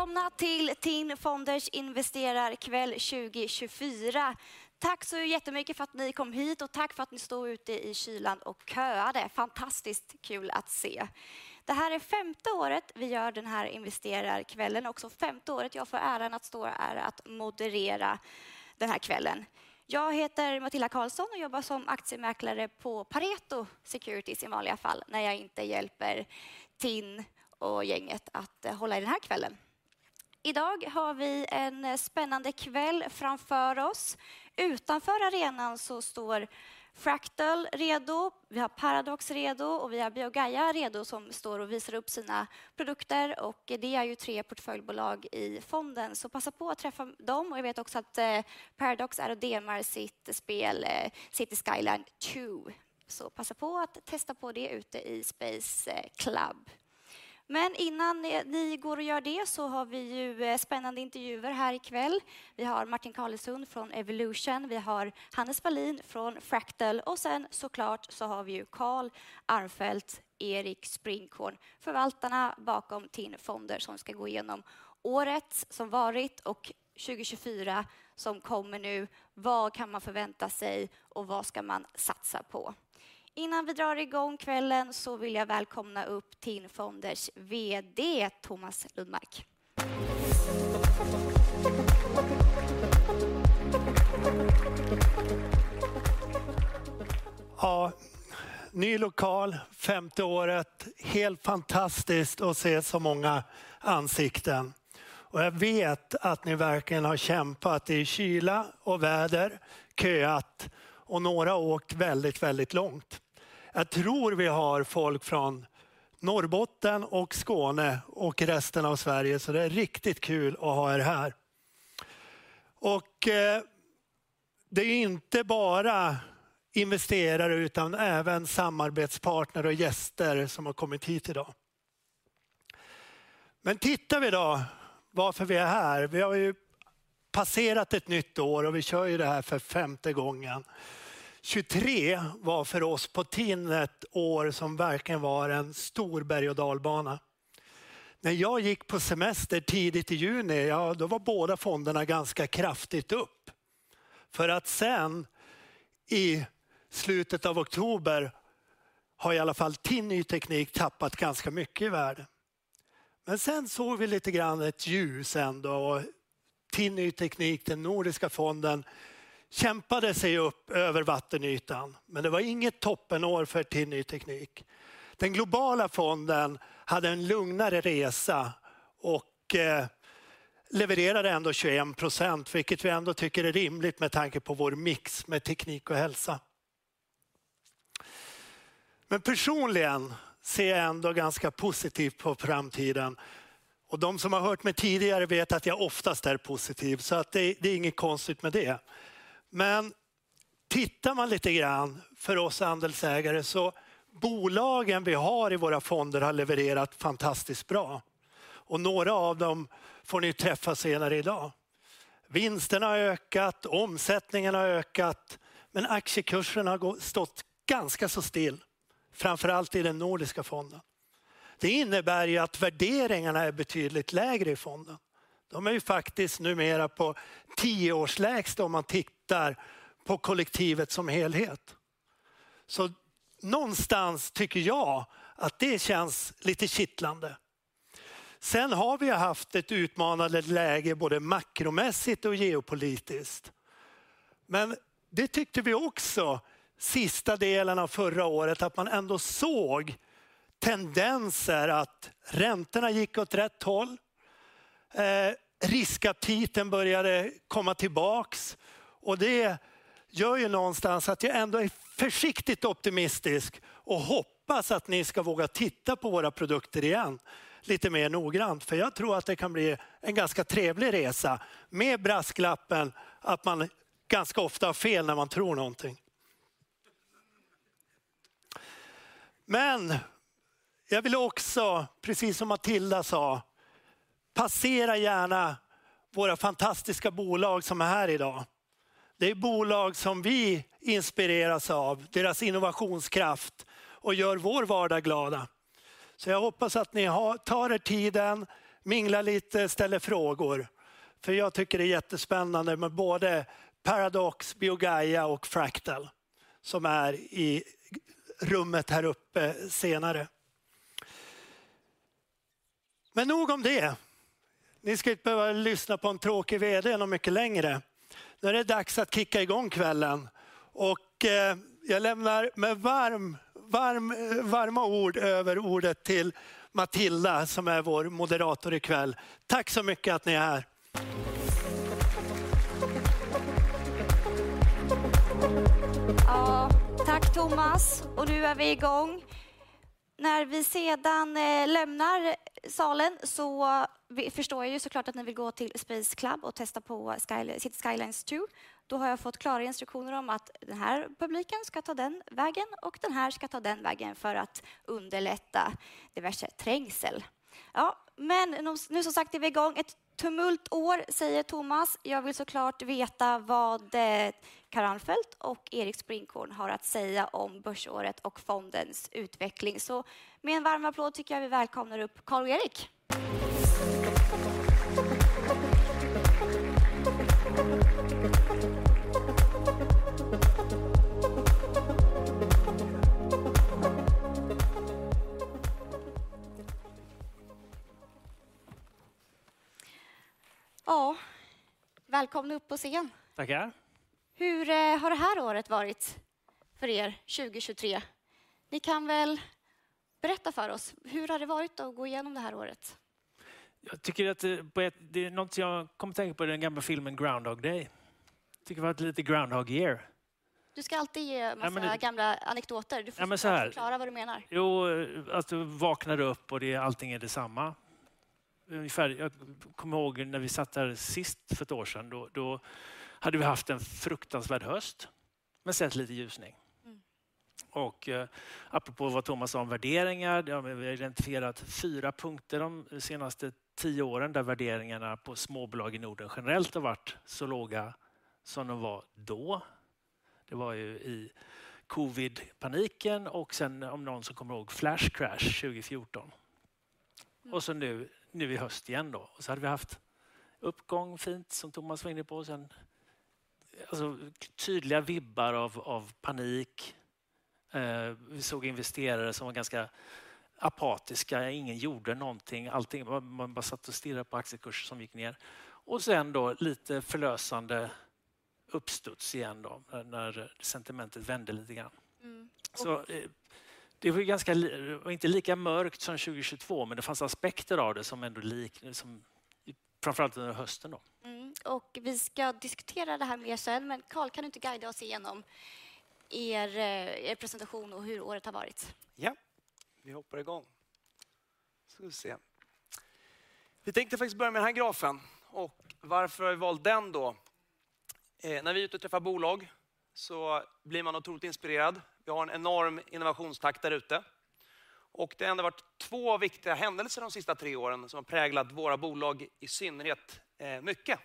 Ja, då säger vi varmt, varmt välkomna till Tin Fonders investerarkväll 2024. Tack så jättemycket för att ni kom hit och tack för att ni stod ute i kylan och köade. Fantastiskt kul att se! Det här är femte året vi gör den här investerarkvällen och också femte året jag får äran att stå här och att moderera den här kvällen. Jag heter Matilda Karlsson och jobbar som aktiemäklare på Pareto Securities i vanliga fall, när jag inte hjälper Tin och gänget att hålla i den här kvällen. Idag har vi en spännande kväll framför oss. Utanför arenan så står Fractal redo, vi har Paradox redo och vi har Biogaia redo som står och visar upp sina produkter och det är ju tre portföljbolag i fonden. Så passa på att träffa dem och jag vet också att Paradox demar sitt spel, Cities Skyline Two. Så passa på att testa på det ute i Space Club. Men innan ni går och gör det så har vi ju spännande intervjuer här ikväll. Vi har Martin Carlesund från Evolution, vi har Hannes Ballin från Fractal och sedan så klart så har vi ju Carl Arnfelt, Erik Sprinchorn, förvaltarna bakom Tin Fonder som ska gå igenom året som varit och 2024 som kommer nu. Vad kan man förvänta sig och vad ska man satsa på? Innan vi drar i gång kvällen så vill jag välkomna upp Tin Fonders VD, Thomas Lundmark. Ja, ny lokal, femte året. Helt fantastiskt att se så många ansikten. Jag vet att ni verkligen har kämpat i kyla och väder, köat och några åkt väldigt, väldigt långt. Jag tror vi har folk från Norrbotten och Skåne och resten av Sverige, så det är riktigt kul att ha er här. Det är inte bara investerare, utan även samarbetspartner och gäster som har kommit hit idag. Men tittar vi då varför vi är här? Vi har ju passerat ett nytt år och vi kör ju det här för femte gången. 2023 var för oss på Tin ett år som verkligen var en stor berg- och dalbana. När jag gick på semester tidigt i juni, ja, då var båda fonderna ganska kraftigt upp. För att sedan i slutet av oktober har i alla fall Tin Ny Teknik tappat ganska mycket i värde. Men sen såg vi lite grann ett ljus ändå och Tin Ny Teknik, den nordiska fonden, kämpade sig upp över vattenytan, men det var inget toppenår för Tin Ny Teknik. Den globala fonden hade en lugnare resa och levererade ändå 21%, vilket vi ändå tycker är rimligt med tanke på vår mix med teknik och hälsa. Men personligen ser jag ändå ganska positivt på framtiden och de som har hört mig tidigare vet att jag oftast är positiv, så det är inget konstigt med det. Men tittar man lite grann för oss handelsägare så bolagen vi har i våra fonder har levererat fantastiskt bra och några av dem får ni träffa senare i dag. Vinsterna har ökat, omsättningen har ökat, men aktiekurserna har gått, stått ganska så still, framför allt i den nordiska fonden. Det innebär ju att värderingarna är betydligt lägre i fonden. De är ju faktiskt numera på tio års lägsta om man tittar på kollektivet som helhet. Så någonstans tycker jag att det känns lite kittlande. Sen har vi ju haft ett utmanande läge, både makromässigt och geopolitiskt. Men det tyckte vi också sista delen av förra året, att man ändå såg tendenser att räntorna gick åt rätt håll, riskaptiten började komma tillbaka och det gör ju någonstans att jag ändå är försiktigt optimistisk och hoppas att ni ska våga titta på våra produkter igen, lite mer noggrant. För jag tror att det kan bli en ganska trevlig resa med brasklappen, att man ganska ofta har fel när man tror någonting. Men jag vill också, precis som Matilda sa, passa på att nämna våra fantastiska bolag som är här idag. Det är bolag som vi inspireras av, deras innovationskraft och gör vår vardag glad. Så jag hoppas att ni har, tar er tiden, minglar lite, ställer frågor, för jag tycker det är jättespännande med både Paradox, Biogaia och Fractal som är i rummet här uppe senare. Men nog om det! Ni ska inte behöva lyssna på en tråkig VD något mycket längre. Nu är det dags att kicka igång kvällen och jag lämnar med varma ord över ordet till Matilda, som är vår moderator ikväll. Tack så mycket att ni är här! Ja, tack Thomas och nu är vi i gång. När vi sedan lämnar salen så vi, förstår jag ju så klart att ni vill gå till Space Club och testa på Skyline, Cities Skyline Two. Då har jag fått klara instruktioner om att den här publiken ska ta den vägen och den här ska ta den vägen för att underlätta diverse trängsel. Ja, men nu som sagt, är vi i gång. Ett tumultår, säger Thomas. Jag vill så klart veta vad Carl Armfelt och Erik Sprinchorn har att säga om börsåret och fondens utveckling. Så med en varm applåd tycker jag vi välkomnar upp Carl och Erik. Ja, välkomna upp på scen! Tackar. Hur har det här året varit för er, 2023? Ni kan väl berätta för oss, hur har det varit att gå igenom det här året? Jag tycker att det, det är någonting jag kommer att tänka på den gamla filmen Groundhog Day. Tycker det var ett lite Groundhog Year. Du ska alltid ge en massa gamla anekdoter. Du får förklara vad du menar. Jo, att du vaknar upp och det allting är detsamma. Ungefär, jag kommer ihåg när vi satt där sist för ett år sedan, då hade vi haft en fruktansvärd höst, men sett lite ljusning. Apropå vad Thomas sa om värderingar, det har vi identifierat fyra punkter de senaste tio åren där värderingarna på småbolag i Norden generellt har varit så låga som de var då. Det var ju i covid-paniken och sedan om någon som kommer ihåg flash crash 2014. Så nu, nu i höst igen då. Så hade vi haft uppgång, fint som Thomas var inne på. Sen, alltså tydliga vibbar av panik. Vi såg investerare som var ganska apatiska. Ingen gjorde någonting, allting, man bara satt och stirrade på aktiekurser som gick ner. Sen då lite förlösande uppstuds igen då, när sentimentet vände lite grann. Så det var ganska, inte lika mörkt som 2022, men det fanns aspekter av det som ändå liknade, som framför allt under hösten då. Mm, och vi ska diskutera det här mer sedan, men Carl, kan du inte guida oss igenom er presentation och hur året har varit? Ja, vi hoppar igång. Ska vi se. Vi tänkte faktiskt börja med den här grafen. Och varför har vi valt den då? När vi är ute och träffar bolag så blir man otroligt inspirerad. Vi har en enorm innovationstakt där ute och det har ändå varit två viktiga händelser de sista tre åren som har präglat våra bolag, i synnerhet, mycket.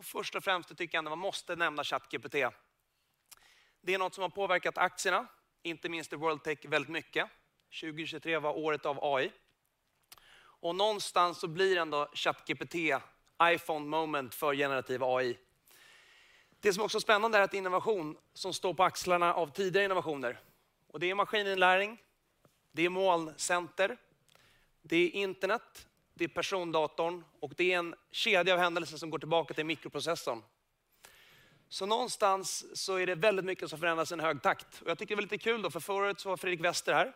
Först och främst tycker jag ändå man måste nämna ChatGPT. Det är något som har påverkat aktierna, inte minst i World Tech, väldigt mycket. 2023 var året av AI och någonstans så blir ändå ChatGPT iPhone-moment för generativ AI. Det som också är spännande är att innovation som står på axlarna av tidigare innovationer. Det är maskininlärning, det är molncenter, det är internet, det är persondatorn och det är en kedja av händelser som går tillbaka till mikroprocessorn. Någonstans är det väldigt mycket som förändras i en hög takt. Jag tycker det är lite kul då, för förra året var Fredrik Wester här.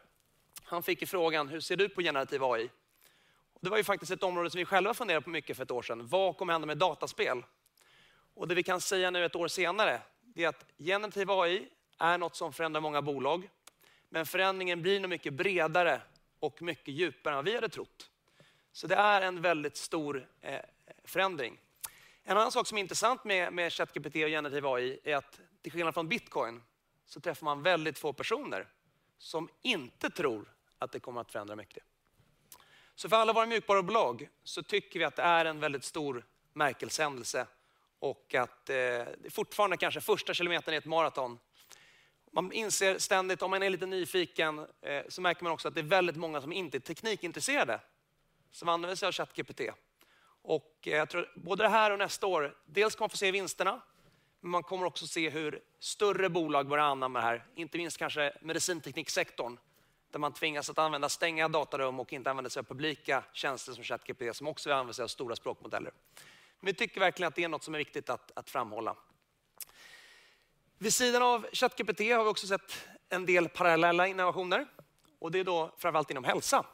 Han fick ju frågan: "Hur ser du på generativ AI?" Det var ju faktiskt ett område som vi själva funderade på mycket för ett år sedan. Vad kommer hända med dataspel? Det vi kan säga nu ett år senare, det är att generativ AI är något som förändrar många bolag, men förändringen blir nog mycket bredare och mycket djupare än vad vi hade trott. Det är en väldigt stor förändring. En annan sak som är intressant med Chat GPT och generativ AI är att till skillnad från Bitcoin, träffar man väldigt få personer som inte tror att det kommer att förändra mycket. För alla våra mjukvarubolag tycker vi att det är en väldigt stor märkeshändelse och att det fortfarande kanske är första kilometern i ett maraton. Man inser ständigt, om man är lite nyfiken, märker man också att det är väldigt många som inte är teknikintresserade, som använder sig av ChatGPT. Jag tror både det här och nästa år, dels kommer man få se vinsterna, men man kommer också se hur större bolag börjar anamma det här, inte minst kanske medicintekniksektorn, där man tvingas att använda stängda datarum och inte använda sig av publika tjänster som ChatGPT, som också använder sig av stora språkmodeller. Vi tycker verkligen att det är något som är viktigt att framhålla. Vid sidan av ChatGPT har vi också sett en del parallella innovationer och det är framför allt inom hälsa.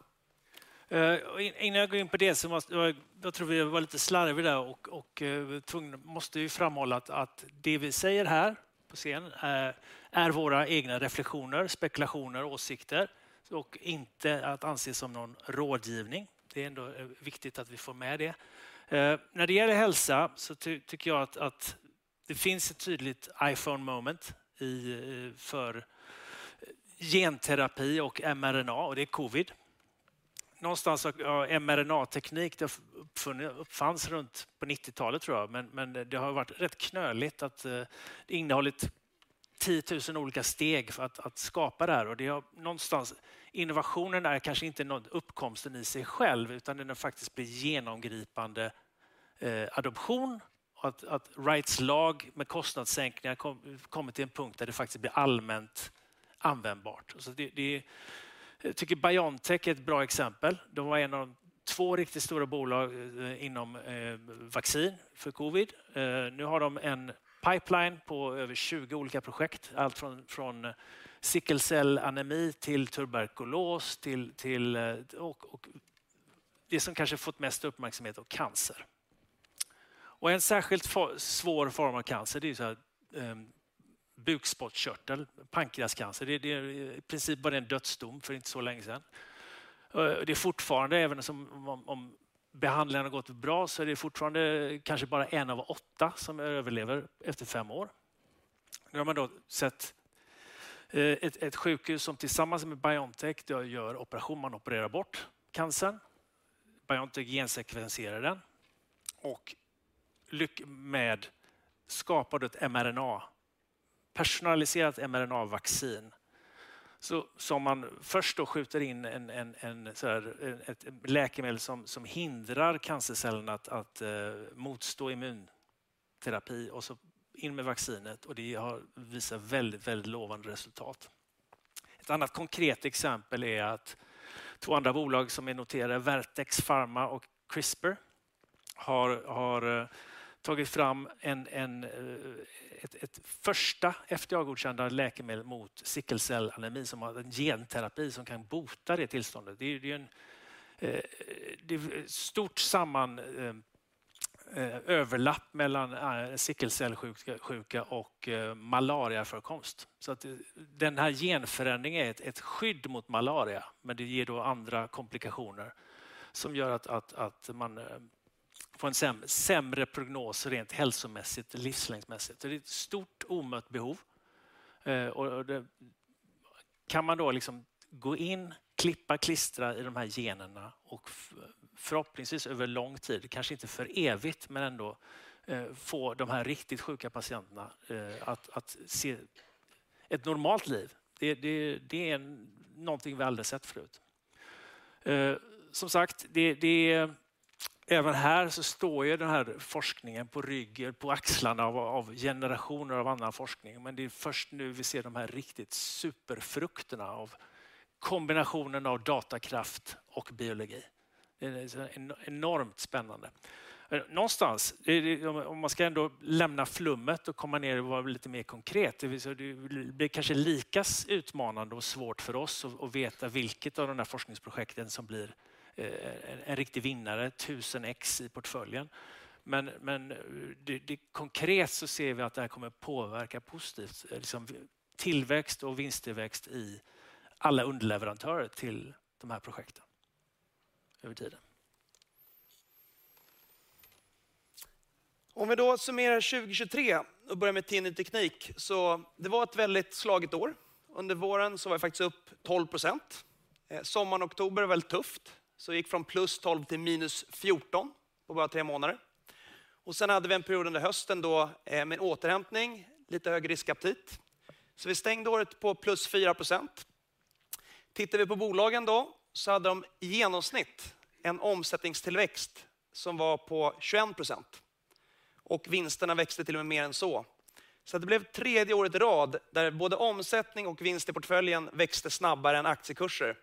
Innan jag går in på det, så måste jag, jag tror vi var lite slarviga där och måste ju framhålla att det vi säger här på scen är våra egna reflektioner, spekulationer, åsikter och inte att anses som någon rådgivning. Det är ändå viktigt att vi får med det. När det gäller hälsa så tycker jag att det finns ett tydligt iPhone moment för genterapi och mRNA, och det är covid. Någonstans, mRNA-teknik, det uppfanns runt på 90-talet tror jag, men det har varit rätt knöligt, att det innehållit tiotusen olika steg för att skapa det här. Det har någonstans, innovationen är kanske inte någon uppkomst i sig själv, utan den har faktiskt blev genomgripande adoption och att Wrights lag med kostnadssänkningar kommit till en punkt där det faktiskt blir allmänt användbart. Så det... Jag tycker BioNTech är ett bra exempel. De var en av de två riktigt stora bolag inom vaccin för COVID. Nu har de en pipeline på över tjugo olika projekt, allt från sickelcellanemi till tuberkulos, och det som kanske fått mest uppmärksamhet av cancer. Och en särskilt svår form av cancer, det är bukspottkörtel, pancreascancer. Det är i princip var det en dödsdom för inte så länge sedan. Det är fortfarande, även om behandlingen har gått bra, så är det fortfarande kanske bara en av åtta som överlever efter fem år. Nu har man då sett ett sjukhus som tillsammans med BioNTech gör operation, man opererar bort cancern. BioNTech gensekvenserar den och lyckas skapa ett mRNA, personaliserat mRNA-vaccin. Som man först då skjuter in ett läkemedel som hindrar cancercellen att motstå immunterapi och så in med vaccinet och det har visat väldigt lovande resultat. Ett annat konkret exempel är att två andra bolag som är noterade, Vertex Pharma och CRISPR, har tagit fram ett första FDA-godkända läkemedel mot sickelcellanemi, som har en genterapi som kan bota det tillståndet. Det är ju stort överlapp mellan sickelcellssjuka och malariaförekomst. Den här genförändringen är ett skydd mot malaria, men det ger då andra komplikationer som gör att man får en sämre prognos rent hälsomässigt och livslängdsmässigt. Det är ett stort omött behov. Och kan man då liksom gå in, klippa och klistra i de här generna och förhoppningsvis över lång tid, kanske inte för evigt, men ändå få de här riktigt sjuka patienterna att se ett normalt liv. Det är någonting vi aldrig sett förut. Som sagt, även här så står ju den här forskningen på rygg, på axlarna av generationer av annan forskning. Men det är först nu vi ser de här riktigt superfrukterna av kombinationen av datakraft och biologi. Det är enormt spännande. Någonstans, om man ska ändå lämna flummet och komma ner och vara lite mer konkret, det vill säga, det blir kanske lika utmanande och svårt för oss att veta vilket av de här forskningsprojekten som blir en riktig vinnare, tusen X i portföljen. Men det konkret så ser vi att det här kommer påverka positivt, liksom tillväxt och vinsttillväxt i alla underleverantörer till de här projekten över tiden. Om vi då summerar 2023 och börjar med Tinny Teknik, så det var ett väldigt blandat år. Under våren så var det faktiskt upp 12%. Sommaren, oktober, var väldigt tufft. Så gick från plus 12% till minus 14% på bara tre månader. Sen hade vi en period under hösten då med återhämtning, lite högre riskaptit. Så vi stängde året på plus 4%. Tittar vi på bolagen då, så hade de i genomsnitt en omsättningstillväxt som var på 21% och vinsterna växte till och med mer än så. Så det blev tredje året i rad, där både omsättning och vinst i portföljen växte snabbare än aktiekurser.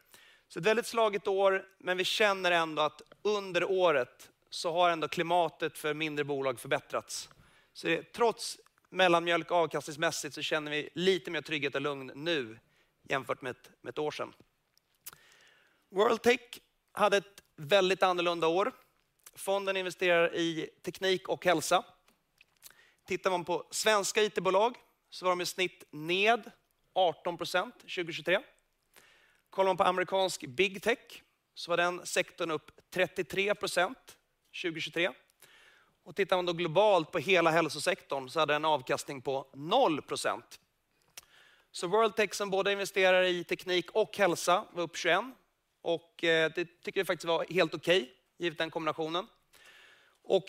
Så ett väldigt blandat år, men vi känner ändå att under året så har ändå klimatet för mindre bolag förbättrats. Så trots mellanmjölk avkastningsmässigt så känner vi lite mer trygghet och lugn nu jämfört med ett år sedan. World Tech hade ett väldigt annorlunda år. Fonden investerar i teknik och hälsa. Tittar man på svenska IT-bolag så var de i snitt ned 18% 2023. Kollar man på amerikansk big tech, så var den sektorn upp 33% 2023. Tittar man då globalt på hela hälsosektorn så hade en avkastning på 0%. Så World Tech, som både investerar i teknik och hälsa, var upp 21% och det tycker vi faktiskt var helt okej, givet den kombinationen.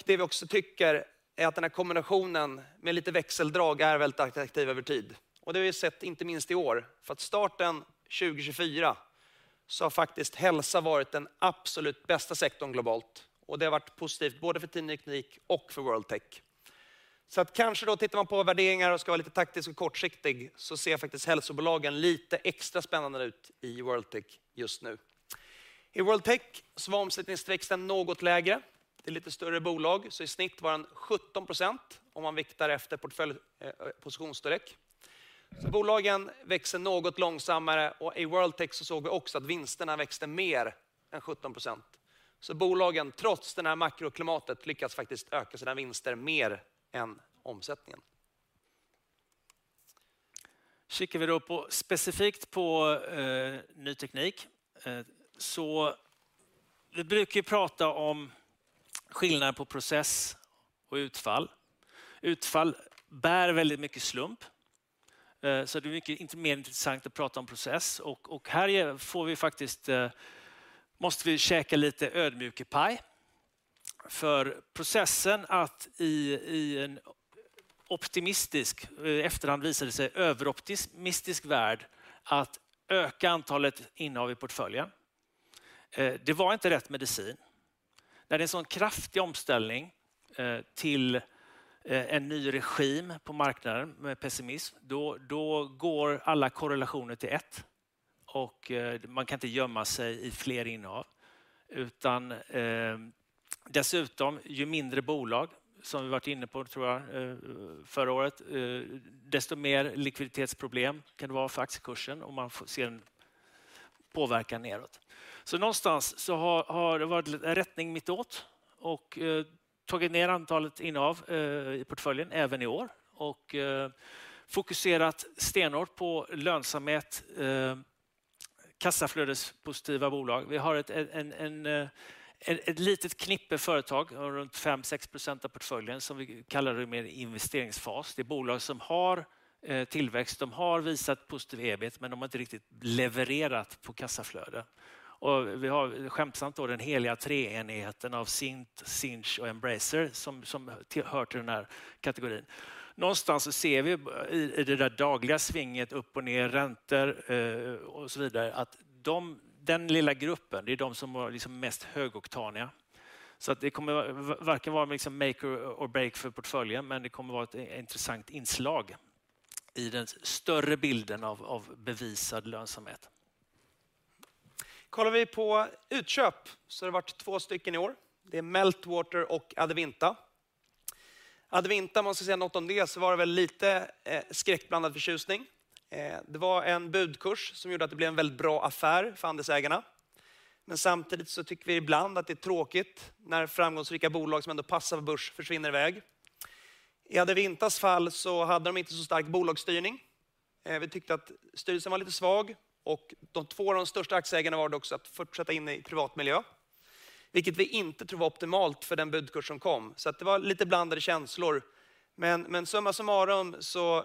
Det vi också tycker är att den här kombinationen med lite växeldrag är väldigt attraktiv över tid. Det har vi sett inte minst i år. För att starten 2024 så har faktiskt hälsa varit den absolut bästa sektorn globalt och det har varit positivt både för Tinny Teknik och för World Tech. Så att kanske då tittar man på värderingar och ska vara lite taktisk och kortsiktig, så ser faktiskt hälsobolagen lite extra spännande ut i World Tech just nu. I World Tech så var omsättningsväxten något lägre. Det är lite större bolag, så i snitt var den 17% om man viktar efter portföljpositionsstorlek. Bolagen växer något långsammare och i World Tech så såg vi också att vinsterna växte mer än 17%. Bolagen, trots det här makroklimatet, lyckas faktiskt öka sina vinster mer än omsättningen. Kikar vi då på, specifikt på ny teknik, så vi brukar ju prata om skillnaden på process och utfall. Utfall bär väldigt mycket slump, så det är mycket, inte mer intressant att prata om process. Här får vi faktiskt, måste vi käka lite ödmjukepaj. För processen att i en optimistisk, i efterhand visar det sig överoptimistisk värld, att öka antalet innehav i portföljen. Det var inte rätt medicin. När det är en sådan kraftig omställning till en ny regim på marknaden med pessimism, då går alla korrelationer till ett och man kan inte gömma sig i fler innehav. Utan dessutom, ju mindre bolag, som vi varit inne på tror jag förra året, desto mer likviditetsproblem kan det vara för aktiekursen om man får se en påverkan nedåt. Någonstans har det varit rättning mitt åt och tagit ner antalet innehav i portföljen även i år och fokuserat stenhårt på lönsamhet, kassaflödespositiva bolag. Vi har ett litet knippe företag, runt 5-6% av portföljen, som vi kallar det mer investeringsfas. Det är bolag som har tillväxt, de har visat positiv EBITA, men de har inte riktigt levererat på kassaflöde. Vi har skämtsamt då den heliga treenigheten av Sinch, Sinch och Embracer som hör till den här kategorin. Någonstans ser vi i det där dagliga svinget upp och ner, räntor och så vidare, att de, den lilla gruppen, det är de som var mest högoktaniga. Det kommer varken vara make or break för portföljen, men det kommer att vara ett intressant inslag i den större bilden av bevisad lönsamhet. Kollar vi på utköp så har det varit två stycken i år. Det är Meltwater och Adeventa. Adeventa, om man ska säga något om det, så var det väl lite skräckblandad förtjusning. Det var en budkurs som gjorde att det blev en väldigt bra affär för andelsägarna. Men samtidigt så tycker vi ibland att det är tråkigt när framgångsrika bolag som ändå passar börs försvinner i väg. I Adeventas fall så hade de inte så stark bolagsstyrning. Vi tyckte att styrelsen var lite svag och de två av de största aktieägarna valde också att fortsätta in i privatmiljö, vilket vi inte tror var optimalt för den budkurs som kom. Så det var lite blandade känslor, men summa summarum,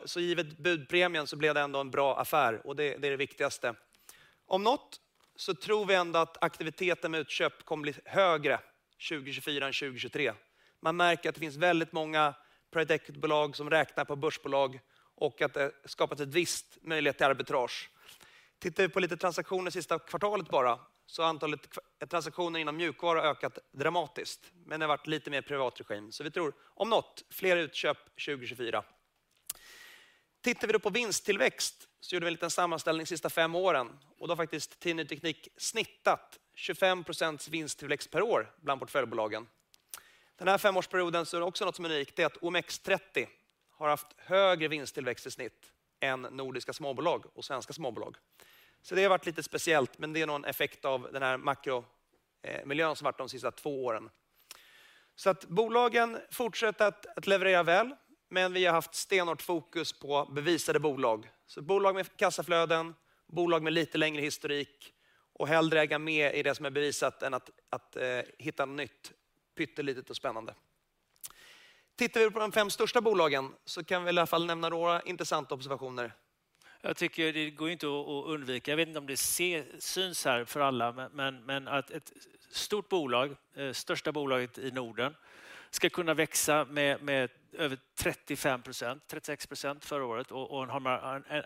så givet budpremien så blev det ändå en bra affär och det är det viktigaste. Om något, så tror vi ändå att aktiviteten med utköp kommer bli högre 2024 än 2023. Man märker att det finns väldigt många private equity-bolag som räknar på börsbolag och att det skapas en viss möjlighet till arbitrage. Tittar vi på lite transaktioner sista kvartalet bara, så har antalet transaktioner inom mjukvara ökat dramatiskt, men det har varit lite mer privatregim. Så vi tror om något, fler utköp 2024. Tittar vi då på vinsttillväxt, så gjorde vi en liten sammanställning de sista fem åren och då har faktiskt Tinny Teknik snittat 25% vinsttillväxt per år bland portföljbolagen. Den här femårsperioden så är det också något som är unikt, det är att OMX 30 har haft högre vinsttillväxt i snitt än nordiska småbolag och svenska småbolag. Så det har varit lite speciellt, men det är nog en effekt av den här makromiljön som varit de sista två åren. Så att bolagen fortsätter att leverera väl, men vi har haft stenhårt fokus på bevisade bolag. Bolag med kassaflöden, bolag med lite längre historik och hellre äga med i det som är bevisat än att hitta något nytt, pyttelitet och spännande. Tittar vi på de fem största bolagen så kan vi i alla fall nämna några intressanta observationer. Jag tycker det går inte att undvika. Jag vet inte om det syns här för alla, men att ett stort bolag, största bolaget i Norden, ska kunna växa med över 35%, 36% förra året.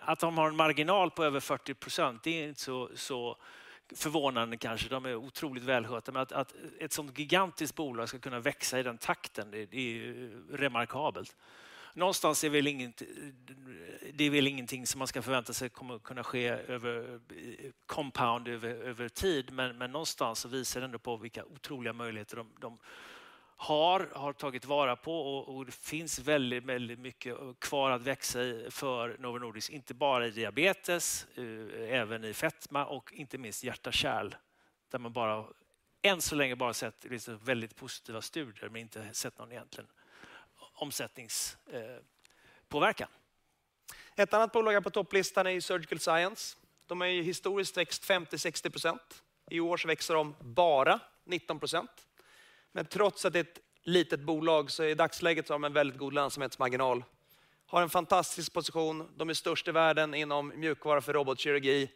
Att de har en marginal på över 40%, det är inte så förvånande kanske. De är otroligt välskötta, men att ett sådant gigantiskt bolag ska kunna växa i den takten, det är remarkabelt. Någonstans är det väl inget, det är väl ingenting som man ska förvänta sig kommer att kunna ske över compound, över tid, men någonstans så visar det ändå på vilka otroliga möjligheter de har tagit vara på. Och det finns väldigt, väldigt mycket kvar att växa i för Novo Nordisk, inte bara i diabetes, även i fetma och inte minst hjärta och kärl, där man bara än så länge bara sett väldigt positiva studier, men inte sett någon egentlig omsättningspåverkan. Ett annat bolag på topplistan är Surgical Science. De har ju historiskt växt 50%, 60%. I år så växer de "bara" 19%. Men trots att det är ett litet bolag, så i dagsläget har de en väldigt god lönsamhetsmarginal. Har en fantastisk position, de är störst i världen inom mjukvara för robotkirurgi.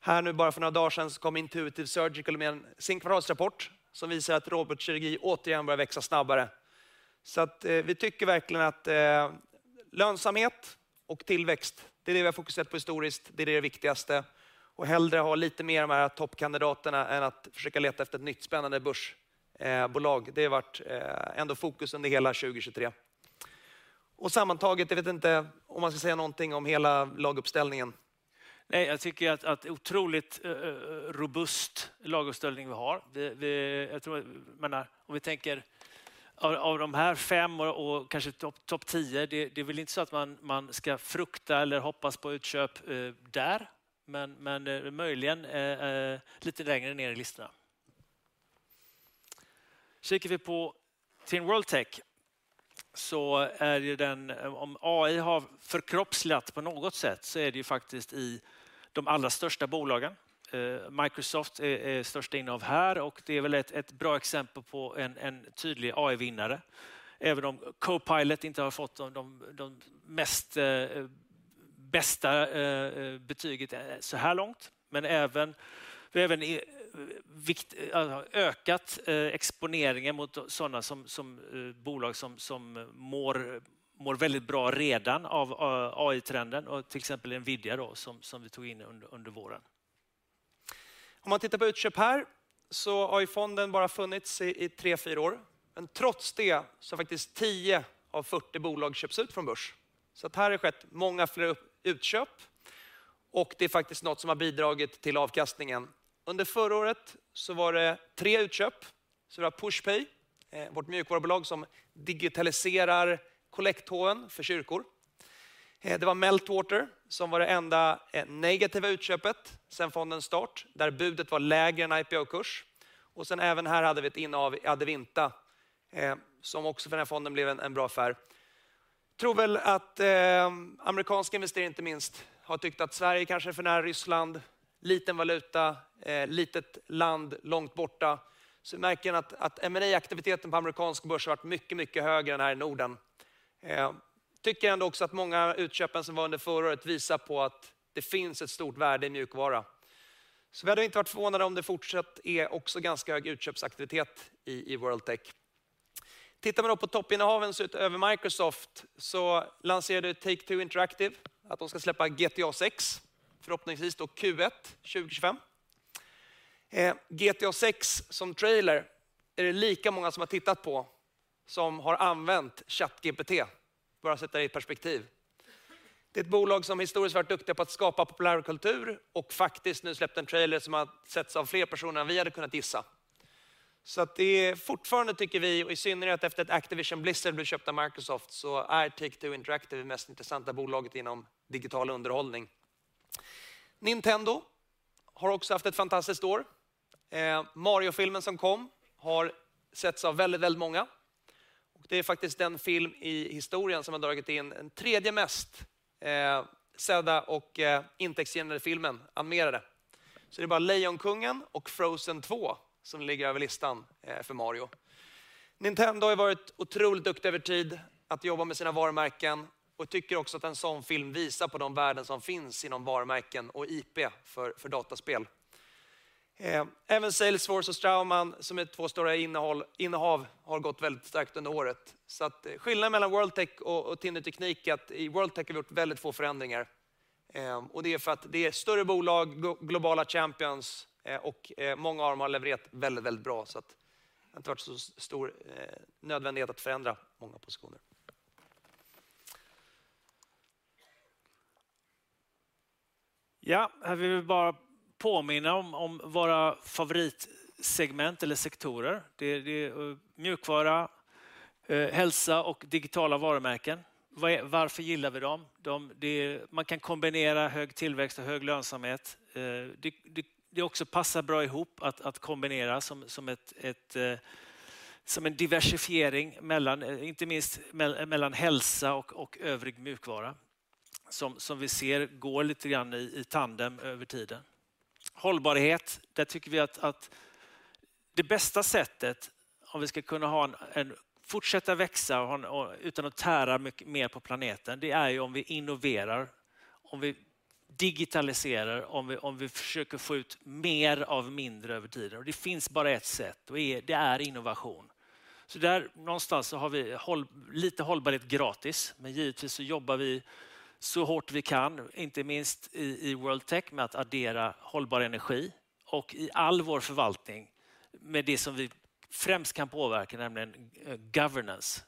Här nu bara för några dagar sedan kom Intuitive Surgical med sin kvartalsrapport som visar att robotkirurgi återigen börjar växa snabbare. Vi tycker verkligen att lönsamhet och tillväxt, det är det vi har fokuserat på historiskt, det är det viktigaste. Hellre ha lite mer de här toppkandidaterna än att försöka leta efter ett nytt spännande börsbolag. Det har varit ändå fokus under hela 2023. Sammantaget, jag vet inte om man ska säga någonting om hela laguppställningen. Nej, jag tycker att otroligt robust laguppställning vi har. Jag tror, jag menar, om vi tänker av de här fem och kanske topp tio, det är väl inte så att man ska frukta eller hoppas på utköp där, men möjligen lite längre ner i listorna. Kikar vi på Thin World Tech, så är ju den... Om AI har förkroppsligat på något sätt, så är det ju faktiskt i de allra största bolagen. Microsoft är största inne av här och det är väl ett bra exempel på en tydlig AI-vinnare. Även om Copilot inte har fått de mest bästa betygen såhär långt, men vi har även ökat exponeringen mot sådana som bolag som mår väldigt bra redan av AI-trenden, till exempel Nvidia då, som vi tog in under våren. Om man tittar på utköp här, så har ju fonden bara funnits i tre, fyra år. Men trots det så har faktiskt tio av fyrtio bolag köpts ut från börs. Här har skett många fler utköp och det är faktiskt något som har bidragit till avkastningen. Under förra året så var det tre utköp. Det var Pushpay, vårt mjukvarubolag som digitaliserar kollekthåen för kyrkor. Det var Meltwater, som var det enda negativa utköpet sedan fonden start, där budet var lägre än IPO-kurs. Sedan hade vi ett innehav i Adeventa, som också för den här fonden blev en bra affär. Jag tror väl att amerikanska investerare inte minst har tyckt att Sverige kanske är för nära Ryssland, liten valuta, litet land, långt borta. Märker ni att M&A-aktiviteten på amerikansk börs har varit mycket, mycket högre än här i Norden. Jag tycker ändå också att många uppköpen som var under förra året visar på att det finns ett stort värde i mjukvara. Så vi hade inte varit förvånade om det fortsatt är också ganska hög uppköpsaktivitet i World Tech. Tittar man då på toppinnehaven så utöver Microsoft, så lanserade Take-Two Interactive att de ska släppa GTA 6, förhoppningsvis då Q1 2025. GTA 6 som trailer är det lika många som har tittat på som har använt ChatGPT, bara för att sätta det i perspektiv. Det är ett bolag som historiskt varit duktiga på att skapa populärkultur och faktiskt nu släppt en trailer som har setts av fler personer än vi hade kunnat gissa. Så det är fortfarande tycker vi, och i synnerhet efter att Activision Blizzard blev köpta av Microsoft, så är Take-Two Interactive det mest intressanta bolaget inom digital underhållning. Nintendo har också haft ett fantastiskt år. Mario-filmen som kom har setts av väldigt, väldigt många. Det är faktiskt den film i historien som har dragit in den tredje mest sedda och intäktsgenererade filmen, animerade. Så det är bara Lejonkungen och Frozen två som ligger över listan för Mario. Nintendo har ju varit otroligt duktiga över tid att jobba med sina varumärken och tycker också att en sådan film visar på de värden som finns inom varumärken och IP för dataspel. Även Salesforce och Straumann, som är två stora innehav, har gått väldigt starkt under året. Så skillnaden mellan World Tech och Tinne Teknik är att i World Tech har vi gjort väldigt få förändringar. Och det är för att det är större bolag, globala champions, och många av dem har levererat väldigt, väldigt bra. Så att det har inte varit så stor nödvändighet att förändra många positioner. Ja, här vill vi bara påminna om våra favoritsegment eller sektorer. Mjukvara, hälsa och digitala varumärken. Varför gillar vi dem? Man kan kombinera hög tillväxt och hög lönsamhet. Det passar också bra ihop att kombinera som en diversifiering mellan, inte minst mellan hälsa och övrig mjukvara, som vi ser går lite grann i tandem över tiden. Hållbarhet, där tycker vi att det bästa sättet, om vi ska kunna fortsätta växa utan att tära mycket mer på planeten, det är ju om vi innoverar, om vi digitaliserar, om vi försöker få ut mer av mindre över tiden. Och det finns bara ett sätt, och det är innovation. Så där någonstans så har vi lite hållbarhet gratis, men givetvis så jobbar vi så hårt vi kan, inte minst i World Tech, med att addera hållbar energi och i all vår förvaltning med det som vi främst kan påverka, nämligen governance,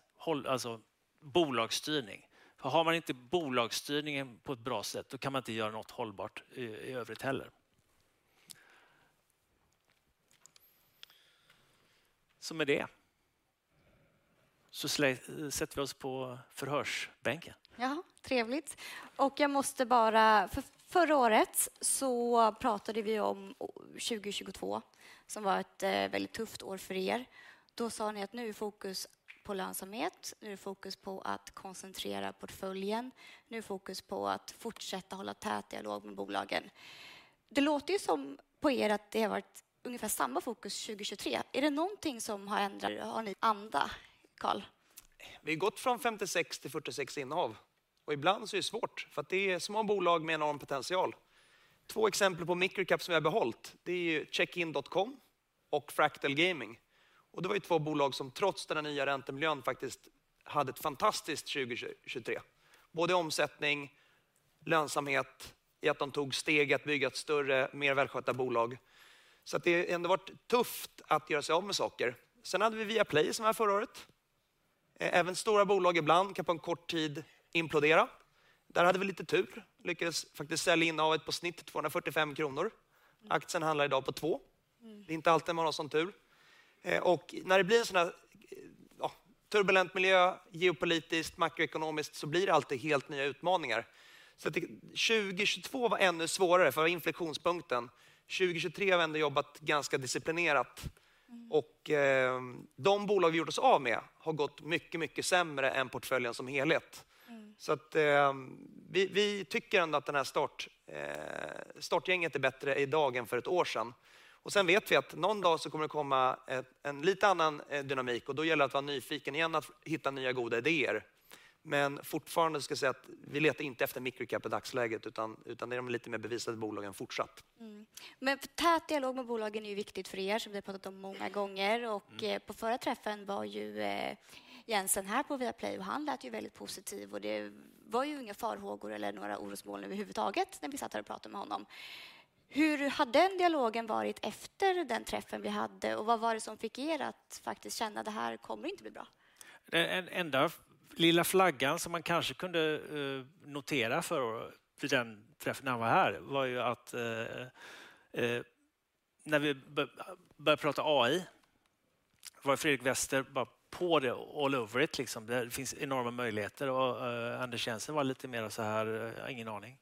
alltså bolagsstyrning. För har man inte bolagsstyrningen på ett bra sätt, då kan man inte göra något hållbart i övrigt heller. Så med det, så sätter vi oss på förhörsbänken. Ja, trevligt! Och jag måste bara, för förra året så pratade vi om 2022, som var ett väldigt tufft år för er. Då sa ni att nu är fokus på lönsamhet, nu är fokus på att koncentrera portföljen, nu är fokus på att fortsätta hålla tät dialog med bolagen. Det låter ju som på er att det har varit ungefär samma fokus 2023. Är det någonting som har ändrat? Har ni ändå, Carl? Vi har gått från femtiosex till fyrtiosex innehav och ibland så är det svårt för att det är små bolag med enorm potential. Två exempel på microcaps som vi har behållit, det är ju Checkin.com och Fractal Gaming. Det var ju två bolag som trots den här nya räntemiljön faktiskt hade ett fantastiskt 2023. Både omsättning, lönsamhet, i att de tog steg i att bygga ett större, mer välskött bolag. Så att det har ändå varit tufft att göra sig av med saker. Sen hade vi Viaplay som var förra året. Även stora bolag ibland kan på en kort tid implodera. Där hade vi lite tur, lyckades faktiskt sälja in oss på snitt 245 kronor. Aktien handlar idag på två. Det är inte alltid man har sådan tur. När det blir en sådan här, ja, turbulent miljö, geopolitiskt, makroekonomiskt, så blir det alltid helt nya utmaningar. 2022 var ännu svårare för inflexionspunkten. 2023 har vi ändå jobbat ganska disciplinerat och de bolag vi gjort oss av med har gått mycket, mycket sämre än portföljen som helhet. Vi tycker ändå att det här startgänget är bättre i dag än för ett år sedan. Sen vet vi att någon dag kommer det komma en lite annan dynamik och då gäller det att vara nyfiken igen, att hitta nya goda idéer. Men fortfarande ska jag säga att vi letar inte efter microcap i dagsläget, utan det är de lite mer bevisade bolagen fortsatt. Mm. Den täta dialogen med bolagen är ju viktigt för er, som vi har pratat om många gånger och på förra träffen var ju Jensen här på Viaplay och han lät ju väldigt positiv och det var ju inga farhågor eller några orosmoln överhuvudtaget när vi satt här och pratade med honom. Hur har den dialogen varit efter den träffen vi hade? Och vad var det som fick er att faktiskt känna att det här kommer inte bli bra? Den enda lilla flaggan som man kanske kunde notera för vid den träffen när han var här, var ju att när vi började prata AI var Fredrik Wester bara på det, all over it, liksom. Det finns enorma möjligheter och Anders Jensen var lite mer såhär: "Jag har ingen aning."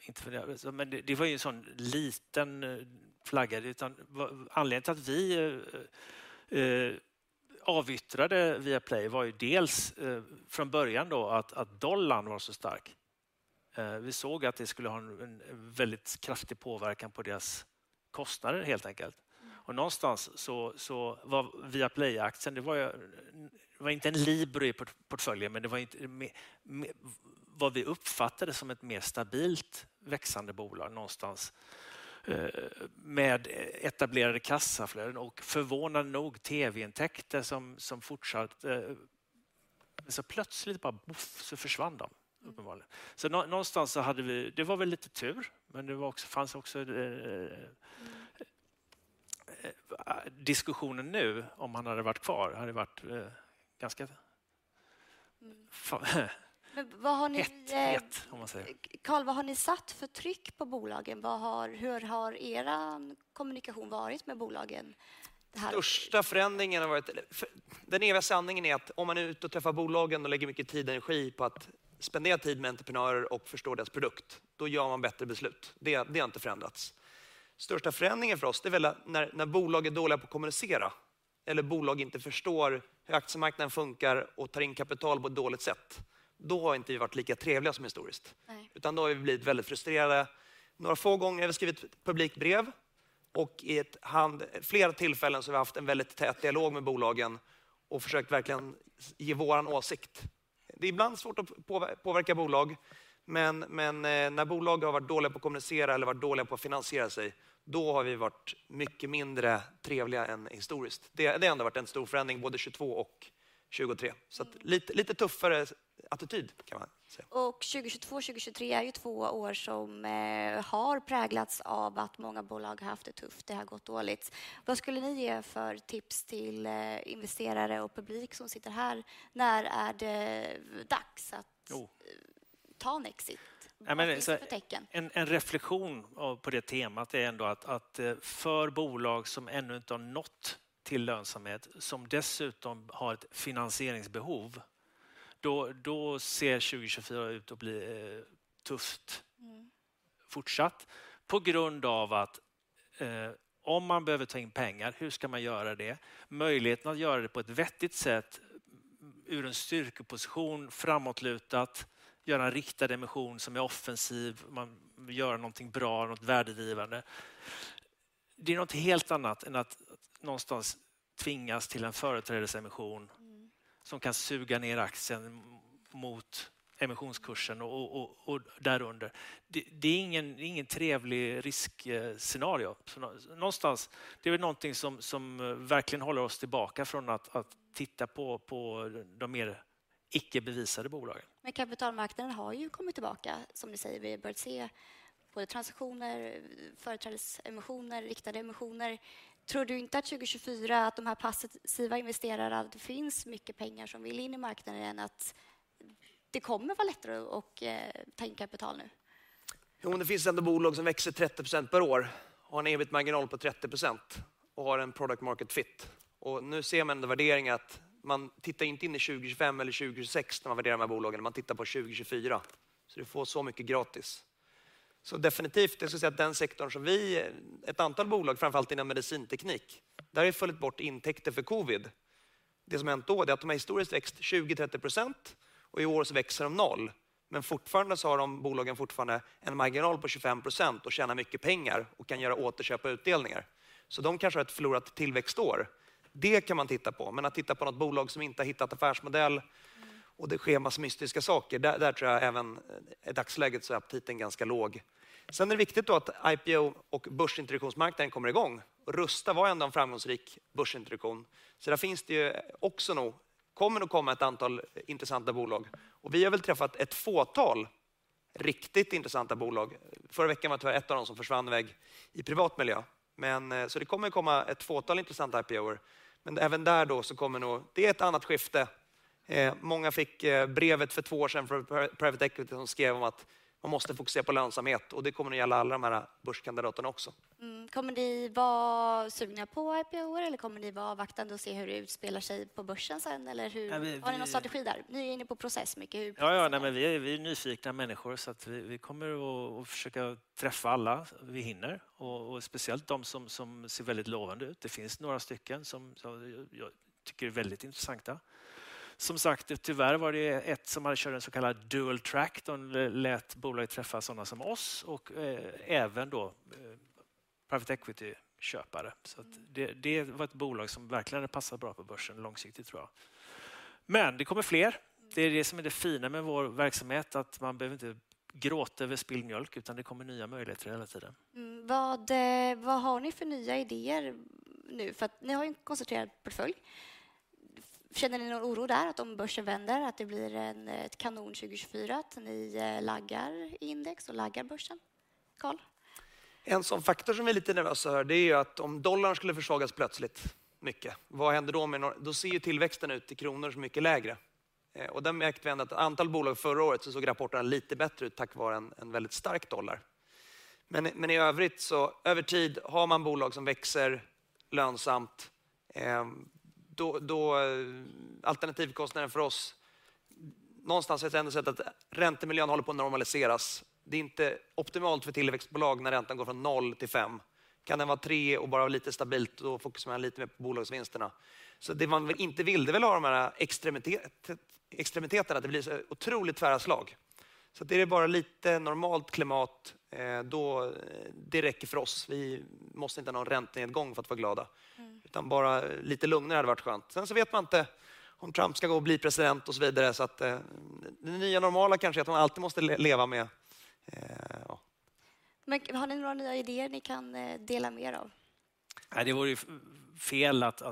Inte för det, men det var ju en sådan liten flagga. Utan anledningen till att vi avyttrade ViaPlay var ju dels från början då att dollarn var så stark. Vi såg att det skulle ha en väldigt kraftig påverkan på deras kostnader, helt enkelt. Och någonstans så var ViaPlay-aktien, det var ju inte en Libero i portföljen, men det var inte vad vi uppfattade som ett mer stabilt växande bolag någonstans med etablerade kassaflöden och förvånande nog TV-intäkter som fortsatte. Så plötsligt bara boff, så försvann de uppenbarligen. Så någonstans så hade vi... det var väl lite tur, men det var också, fanns också... diskussionen nu, om man hade varit kvar, hade varit ganska het! Carl, vad har ni satt för tryck på bolagen? Vad har - hur har era kommunikation varit med bolagen? Största förändringen har varit-- den eviga sanningen är att om man är ute och träffar bolagen och lägger mycket tid och energi på att spendera tid med entreprenörer och förstå deras produkt, då gör man bättre beslut. Det har inte förändrats. Största förändringen för oss, det är väl att när bolag är dåliga på att kommunicera eller bolag inte förstår hur aktiemarknaden funkar och tar in kapital på ett dåligt sätt, då har inte vi varit lika trevliga som historiskt. Utan då har vi blivit väldigt frustrerade. Några få gånger har vi skrivit publika brev och i flera tillfällen så har vi haft en väldigt tät dialog med bolagen och försökt verkligen ge vår åsikt. Det är ibland svårt att påverka bolag, men när bolag har varit dåliga på att kommunicera eller varit dåliga på att finansiera sig, då har vi varit mycket mindre trevliga än historiskt. Det har ändå varit en stor förändring, både 2022 och 2023. Så att lite tuffare attityd kan man säga. Och 2022, 2023 är ju två år som har präglats av att många bolag har haft det tufft, det har gått dåligt. Vad skulle ni ge för tips till investerare och publik som sitter här? När är det dags att ta en exit? En reflektion på det temat är ändå att för bolag som ännu inte har nått till lönsamhet, som dessutom har ett finansieringsbehov, då ser 2024 ut att bli tufft fortsatt. På grund av att om man behöver ta in pengar, hur ska man göra det? Möjligheten att göra det på ett vettigt sätt, ur en styrkeposition, framåtlutat, göra en riktad emission som är offensiv, man göra någonting bra, något värdedrivande. Det är något helt annat än att någonstans tvingas till en företrädesemission som kan suga ner aktien mot emissionskursen och där under. Det är ingen trevlig riskscenario. Någonstans, det är väl någonting som verkligen håller oss tillbaka från att titta på de mer icke bevisade bolagen. Men kapitalmarknaden har ju kommit tillbaka, som du säger. Vi har börjat se både transaktioner, företrädesemissioner, riktade emissioner. Tror du inte att 2024, att de här passiva investerarna, att det finns mycket pengar som vill in i marknaden, att det kommer att vara lättare att ta in kapital nu? Jo, det finns ändå bolag som växer 30% per år, har en evig marginal på 30% och har en product market fit. Och nu ser man ändå värderingen att man tittar inte in i 2025 eller 2026 när man värderar de här bolagen. Man tittar på 2024, så du får så mycket gratis. Så definitivt, jag skulle säga att den sektorn som vi, ett antal bolag, framför allt inom medicinteknik, där har vi följt bort intäkter för covid. Det som hänt då, det är att de har historiskt växt 20%, 30% och i år så växer de noll. Men fortfarande så har de bolagen fortfarande en marginal på 25% och tjänar mycket pengar och kan göra återköp utdelningar. Så de kanske har ett förlorat tillväxtår. Det kan man titta på, men att titta på något bolag som inte har hittat affärsmodell och det sker en massa mystiska saker, där tror jag även i dagsläget så är aptiten ganska låg. Sen är det viktigt då att IPO och börsintroduktionsmarknaden kommer i gång. Rusta var ändå en framgångsrik börsintroduktion. Där finns det ju också nog, kommer nog komma ett antal intressanta bolag och vi har väl träffat ett fåtal riktigt intressanta bolag. Förra veckan var tyvärr ett av dem som försvann i väg i privatmiljö. Men det kommer att komma ett fåtal intressanta IPOer, men även där då så kommer nog - det är ett annat skifte. Många fick brevet för två år sedan från Private Equity som skrev om att man måste fokusera på lönsamhet och det kommer att gälla alla de här börskandidaterna också. Kommer ni vara sugna på IPOer eller kommer ni vara avvaktande och se hur det utspelar sig på börsen sedan? Har ni någon strategi där? Ni är inne på process mycket. Ja, ja, nej men vi är nyfikna människor, så att vi kommer att försöka träffa alla vi hinner och speciellt de som ser väldigt lovande ut. Det finns några stycken som jag tycker är väldigt intressanta. Som sagt, tyvärr var det ett som hade kört en så kallad dual track. De lät bolaget träffa sådana som oss och även då private equity-köpare. Så att det var ett bolag som verkligen hade passat bra på börsen långsiktigt tror jag. Men det kommer fler. Det är det som är det fina med vår verksamhet, att man behöver inte gråta över spilld mjölk, utan det kommer nya möjligheter hela tiden. Vad, vad har ni för nya idéer nu? För att ni har en koncentrerad portfölj. Känner ni någon oro där att om börsen vänder, att det blir ett kanon 2024, att ni laggar i index och laggar börsen? Carl? En sådan faktor som vi är lite nervösa över, det är ju att om dollarn skulle försvagas plötsligt mycket, vad händer då med... då ser ju tillväxten ut i kronor som mycket lägre. Och den märkte vi att ett antal bolag förra året så såg rapporterna lite bättre ut tack vare en väldigt stark dollar. Men i övrigt så över tid har man bolag som växer lönsamt, då alternativkostnaden för oss... Någonstans har jag ändå sett att räntemiljön håller på att normaliseras. Det är inte optimalt för tillväxtbolag när räntan går från noll till fem. Kan den vara tre och bara vara lite stabilt, då fokuserar man lite mer på bolagsvinsterna. Så det man inte ville var de här extremiteterna, att det blir så otroligt tvära slag. Så det är bara lite normalt klimat, det räcker för oss. Vi måste inte ha någon räntenedgång för att vara glada, utan bara lite lugnare hade varit skönt. Sen så vet man inte om Trump ska gå och bli president och så vidare. Så att det nya normala kanske är att man alltid måste leva med det. Men har ni några nya idéer ni kan dela med er av? Nej, det vore ju fel att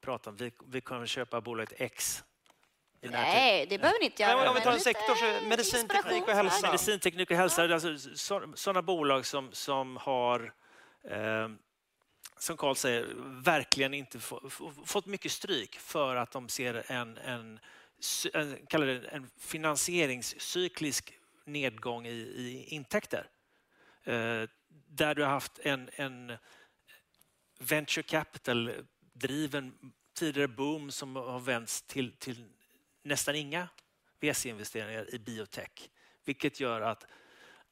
prata om att vi kommer att köpa bolaget X. Nej, det behöver ni inte göra! Ja, om vi tar en sektor så medicinteknik och hälsa. Medicinteknik och hälsa, alltså sådana bolag som, som har, som Carl säger, verkligen inte fått mycket stryk för att de ser en, en, kalla det en finansieringscyklisk nedgång i intäkter. Där du har haft en venture capital driven tidigare boom som har vänts till nästan inga VC-investeringar i biotech, vilket gör att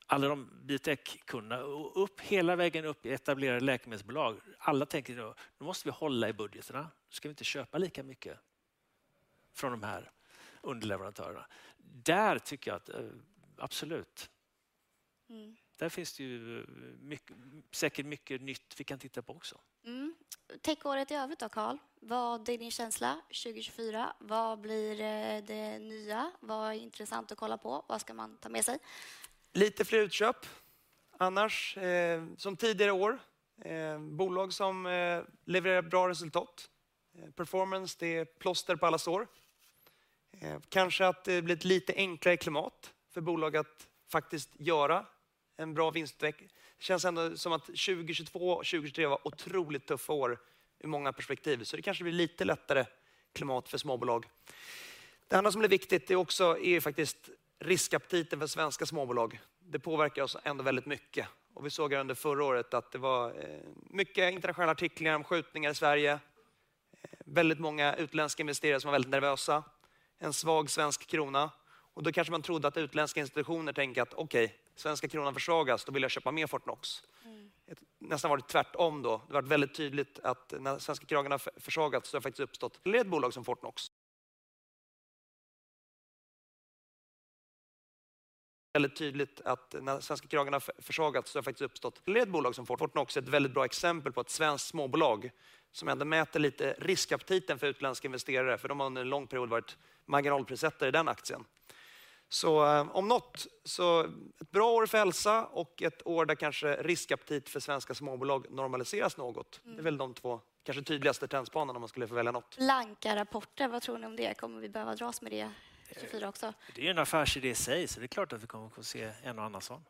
alla de biotech-kunder, hela vägen upp i etablerade läkemedelsbolag, alla tänker då: Nu måste vi hålla i budgeterna. Nu ska vi inte köpa lika mycket från de här underleverantörerna. Där tycker jag att absolut! Där finns det ju mycket, säkert mycket nytt vi kan titta på också. Mm. Tech-året i övrigt då, Carl? Vad är din känsla 2024? Vad blir det nya? Vad är intressant att kolla på? Vad ska man ta med sig? Lite fler utköp. Annars, som tidigare år, bolag som levererar bra resultat. Performance, det är plåster på alla sår. Kanske att det blir ett lite enklare klimat för bolag att faktiskt göra en bra vinstutveckling. Det känns ändå som att 2022 och 2023 var otroligt tuffa år ur många perspektiv, så det kanske blir lite lättare klimat för småbolag. Det andra som blir viktigt, det är också, är ju faktiskt riskaptiten för svenska småbolag. Det påverkar oss ändå väldigt mycket och vi såg under förra året att det var mycket internationella artiklar om skjutningar i Sverige. Väldigt många utländska investerare som var väldigt nervösa, en svag svensk krona och då kanske man trodde att utländska institutioner tänker att: Okej, svenska kronan försvagas, då vill jag köpa mer Fortnox. Det har nästan varit tvärtom då. Det har varit väldigt tydligt att när svenska kronan har försvagats, så har det faktiskt uppstått fler bolag som Fortnox. Fortnox är ett väldigt bra exempel på ett svenskt småbolag som ändå mäter lite riskaptiten för utländska investerare, för de har under en lång period varit marginalprissättare i den aktien. Så om något, så ett bra år för hälsa och ett år där kanske riskaptit för svenska småbolag normaliseras något. Det är väl de två kanske tydligaste trendspanarna om man skulle få välja något. Blankarrapporter, vad tror ni om det? Kommer vi behöva dras med det 24 också? Det är en affärsidé i sig, så det är klart att vi kommer att få se en och annan sådan.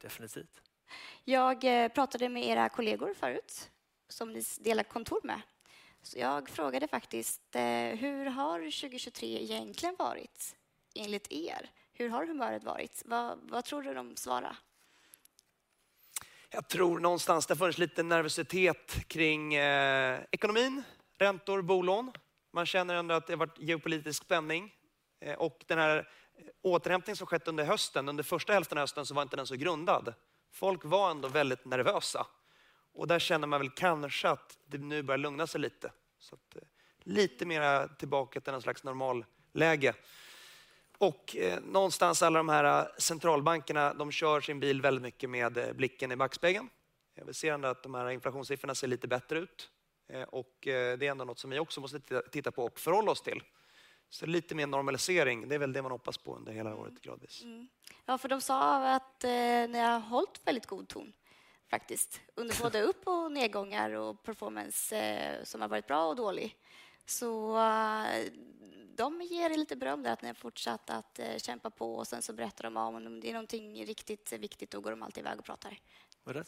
Definitivt. Jag pratade med era kollegor förut, som ni delar kontor med. Så jag frågade faktiskt: Hur har 2023 egentligen varit enligt er? Hur har humöret varit? Vad tror du de svarade? Jag tror någonstans det har funnits lite nervositet kring ekonomin, räntor, bolån. Man känner ändå att det har varit geopolitisk spänning och den här återhämtningen som skett under hösten, under första hälften av hösten, så var inte den så grundad. Folk var ändå väldigt nervösa och där känner man väl kanske att det nu börjar lugna sig lite. Så att lite mera tillbaka till något slags normalläge. Och någonstans, alla de här centralbankerna, de kör sin bil väldigt mycket med blicken i backspegeln. Vi ser ändå att de här inflationssiffrorna ser lite bättre ut och det är ändå något som vi också måste titta på och förhålla oss till. Så lite mer normalisering, det är väl det man hoppas på under hela året, gradvis. Mm. Ja, för de sa att ni har hållit väldigt god ton, faktiskt, under både upp- och nedgångar och performance som har varit bra och dålig. Så de ger er lite beröm där, att ni har fortsatt att kämpa på och sen så berättar de om det är någonting riktigt viktigt, då går de alltid i väg och pratar. Vad är det?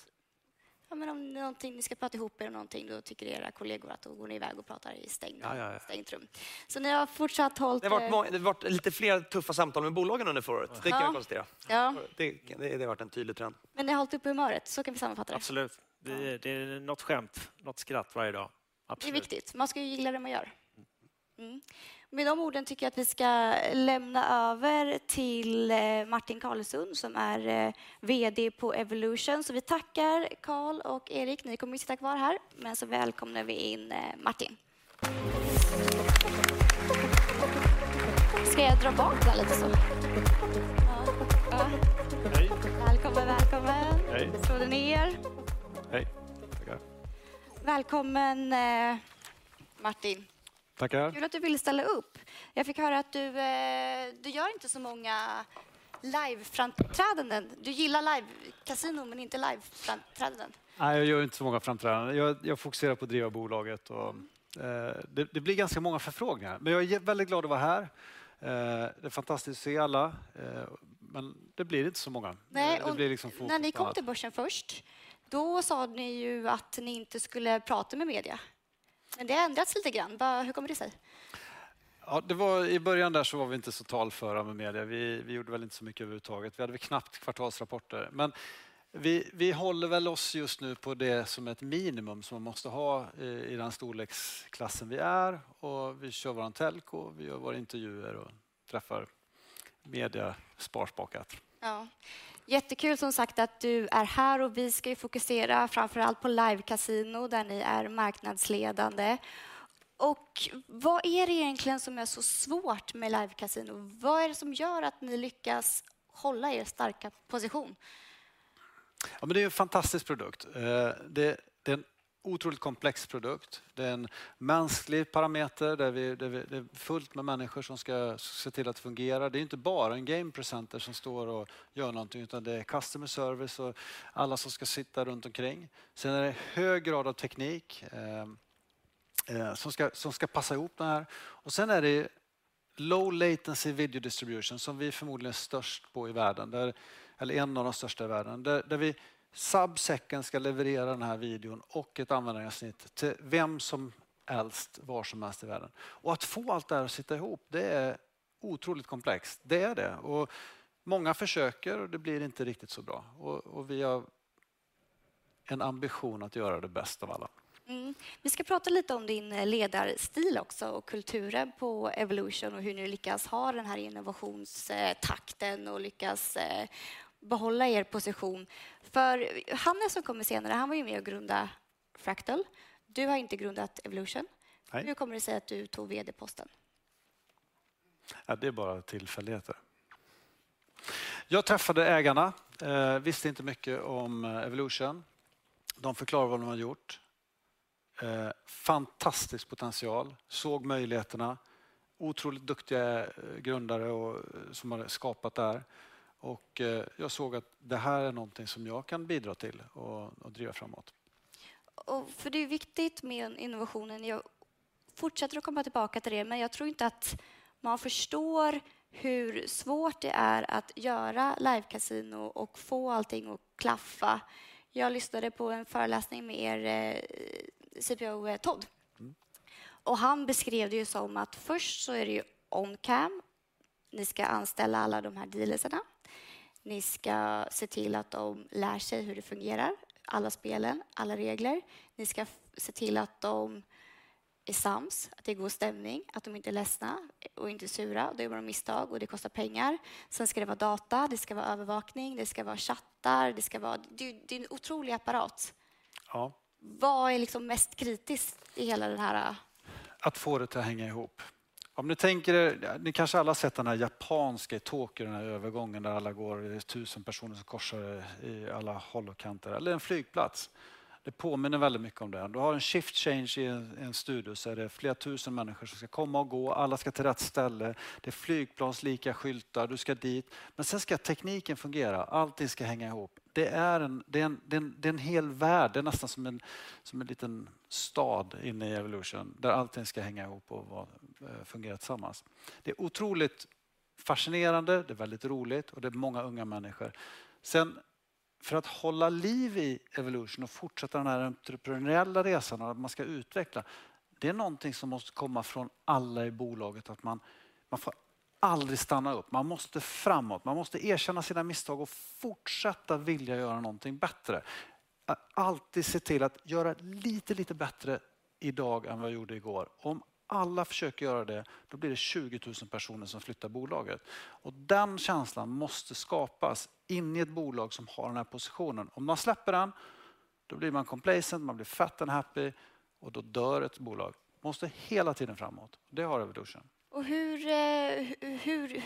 Ja, men om det är någonting, ni ska prata ihop er om någonting, då tycker era kollegor att då går ni i väg och pratar i stängt. Ja, ja, ja. stängt rum. Så ni har fortsatt hållit... Det har varit lite fler tuffa samtal med bolagen under förra året. Det kan jag konstatera. Ja. Det, det har varit en tydlig trend. Men ni har hållit upp humöret, så kan vi sammanfatta det? Absolut. Det är något skämt, något skratt varje dag. Det är viktigt. Man ska ju gilla det man gör. Mm. Med de orden tycker jag att vi ska lämna över till Martin Carlesund, som är VD på Evolution. Så vi tackar Carl och Erik. Ni kommer ju sitta kvar här, men så välkomnar vi in Martin. Ska jag dra bak den lite så? Hej! Välkommen, välkommen. Hej! Slå dig ner. Hej, tack. Välkommen, Martin. Tack! Kul att du ville ställa upp. Jag fick höra att du gör inte så många liveframträdanden. Du gillar livekasino, men inte liveframträdanden. Nej, jag gör inte så många framträdanden. Jag fokuserar på att driva bolaget och det blir ganska många förfrågningar, men jag är väldigt glad att vara här. Det är fantastiskt att se alla, men det blir inte så många. Nej, och när ni kom till börsen först, då sa ni ju att ni inte skulle prata med media. Men det har ändrats lite grann. Vad, hur kommer det sig? Ja, det var i början där så var vi inte så talföra med media. Vi gjorde väl inte så mycket överhuvudtaget. Vi hade väl knappt kvartalsrapporter. Men vi håller väl oss just nu på det som är ett minimum, som man måste ha i den storleksklassen vi är. Och vi kör vår telco, vi gör våra intervjuer och träffar media sparsmakat. Ja, jättekul som sagt att du är här och vi ska ju fokusera framför allt på livekasino, där ni är marknadsledande. Och vad är det egentligen som är så svårt med livekasino? Vad är det som gör att ni lyckas hålla er starka position? Ja, men det är en fantastisk produkt. Det är en otroligt komplex produkt. Det är en mänsklig parameter, där vi, det är fullt med människor som ska se till att det fungerar. Det är inte bara en game presenter som står och gör någonting, utan det är customer service och alla som ska sitta runt omkring. Sen är det hög grad av teknik som ska passa ihop med det här. Och sen är det low latency video distribution som vi förmodligen är störst på i världen, eller en av de största i världen, där vi subsecken ska leverera den här videon och ett användargränssnitt till vem som helst, var som helst i världen. Och att få allt det här att sitta ihop, det är otroligt komplext. Det är det och många försöker och det blir inte riktigt så bra. Och vi har en ambition att göra det bäst av alla. Mm. Vi ska prata lite om din ledarstil också och kulturen på Evolution och hur ni lyckas ha den här innovationstakten och lyckas behålla er position. För Hannes, som kommer senare, han var ju med och grunda Fractal. Du har inte grundat Evolution. Nej. Hur kommer det sig att du tog VD-posten? Ja, det är bara tillfälligheter. Jag träffade ägarna, visste inte mycket om Evolution. De förklarade vad de har gjort. Fantastisk potential, såg möjligheterna, otroligt duktiga grundare som har skapat det här. Och jag såg att det här är någonting som jag kan bidra till och driva framåt. Och för det är viktigt med innovationen. Jag fortsätter att komma tillbaka till det, men jag tror inte att man förstår hur svårt det är att göra livekasino och få allting att klaffa. Jag lyssnade på en föreläsning med er CFO, Todd, och han beskrev det ju som att först så är det ju on cam. Ni ska anställa alla de här dealersarna. Ni ska se till att de lär sig hur det fungerar, alla spelen, alla regler. Ni ska se till att de är sams, att det är god stämning, att de inte är ledsna och inte sura. Då gör man misstag och det kostar pengar. Sen ska det vara data, det ska vara övervakning, det ska vara chattar, det ska vara... Det är en otrolig apparat. Ja. Vad är liksom mest kritiskt i hela den här? Att få det att hänga ihop. Om ni tänker er, ni kanske alla har sett den här japanska i Tokyo, den här övergången där alla går, det är tusen personer som korsar det i alla håll och kanter eller en flygplats. Det påminner väldigt mycket om det. Du har en shift change i en studio, så är det flera tusen människor som ska komma och gå. Alla ska till rätt ställe. Det är flygplanslika skyltar, du ska dit. Men sen ska tekniken fungera, allting ska hänga ihop. Det är en, det är en hel värld, det är nästan som en, som en liten stad inne i Evolution, där allting ska hänga ihop och vara, fungera tillsammans. Det är otroligt fascinerande, det är väldigt roligt och det är många unga människor. Sen för att hålla liv i Evolution och fortsätta den här entreprenöriella resan, att man ska utveckla, det är någonting som måste komma från alla i bolaget, att man får aldrig stanna upp, man måste framåt, man måste erkänna sina misstag och fortsätta vilja göra någonting bättre. Alltid se till att göra lite bättre idag än vad jag gjorde igår. Om alla försöker göra det, då blir det tjugotusen personer som flyttar bolaget och den känslan måste skapas inne i ett bolag som har den här positionen. Om man släpper den, då blir man complacent, man blir fat and happy och då dör ett bolag. Måste hela tiden framåt. Det har Evolution. Och hur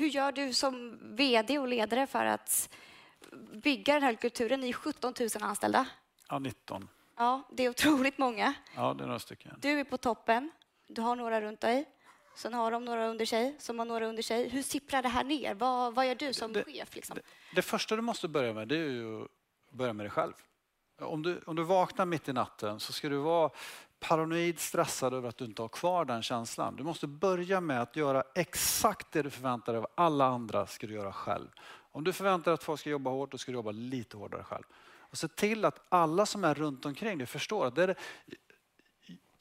gör du som VD och ledare för att bygga den här kulturen? Ni är sjuttontusen anställda. Ja, nitton. Ja, det är otroligt många. Ja, det är några stycken. Du är på toppen, du har några runt dig, sen har de några under sig, som har några under sig. Hur sipprar det här ner? Vad, vad gör du som chef liksom? Det första du måste börja med, det är ju att börja med dig själv. Om du vaknar mitt i natten så ska du vara paranoid, stressad över att du inte har kvar den känslan. Du måste börja med att göra exakt det du förväntar dig av alla andra ska du göra själv. Om du förväntar att folk ska jobba hårt, då ska du jobba lite hårdare själv. Se till att alla som är runt omkring dig förstår att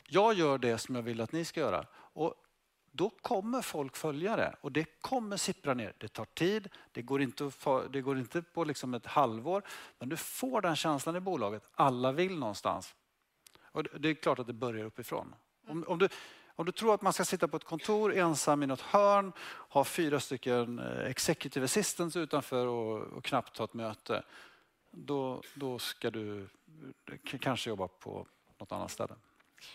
jag gör det som jag vill att ni ska göra. Då kommer folk följa det och det kommer sippra ner. Det tar tid, det går inte på ett halvår, men du får den känslan i bolaget. Alla vill någonstans. Det är klart att det börjar uppifrån. Om du tror att man ska sitta på ett kontor ensam i något hörn, ha fyra stycken executive assistants utanför och knappt ta ett möte, då ska du kanske jobba på något annat ställe.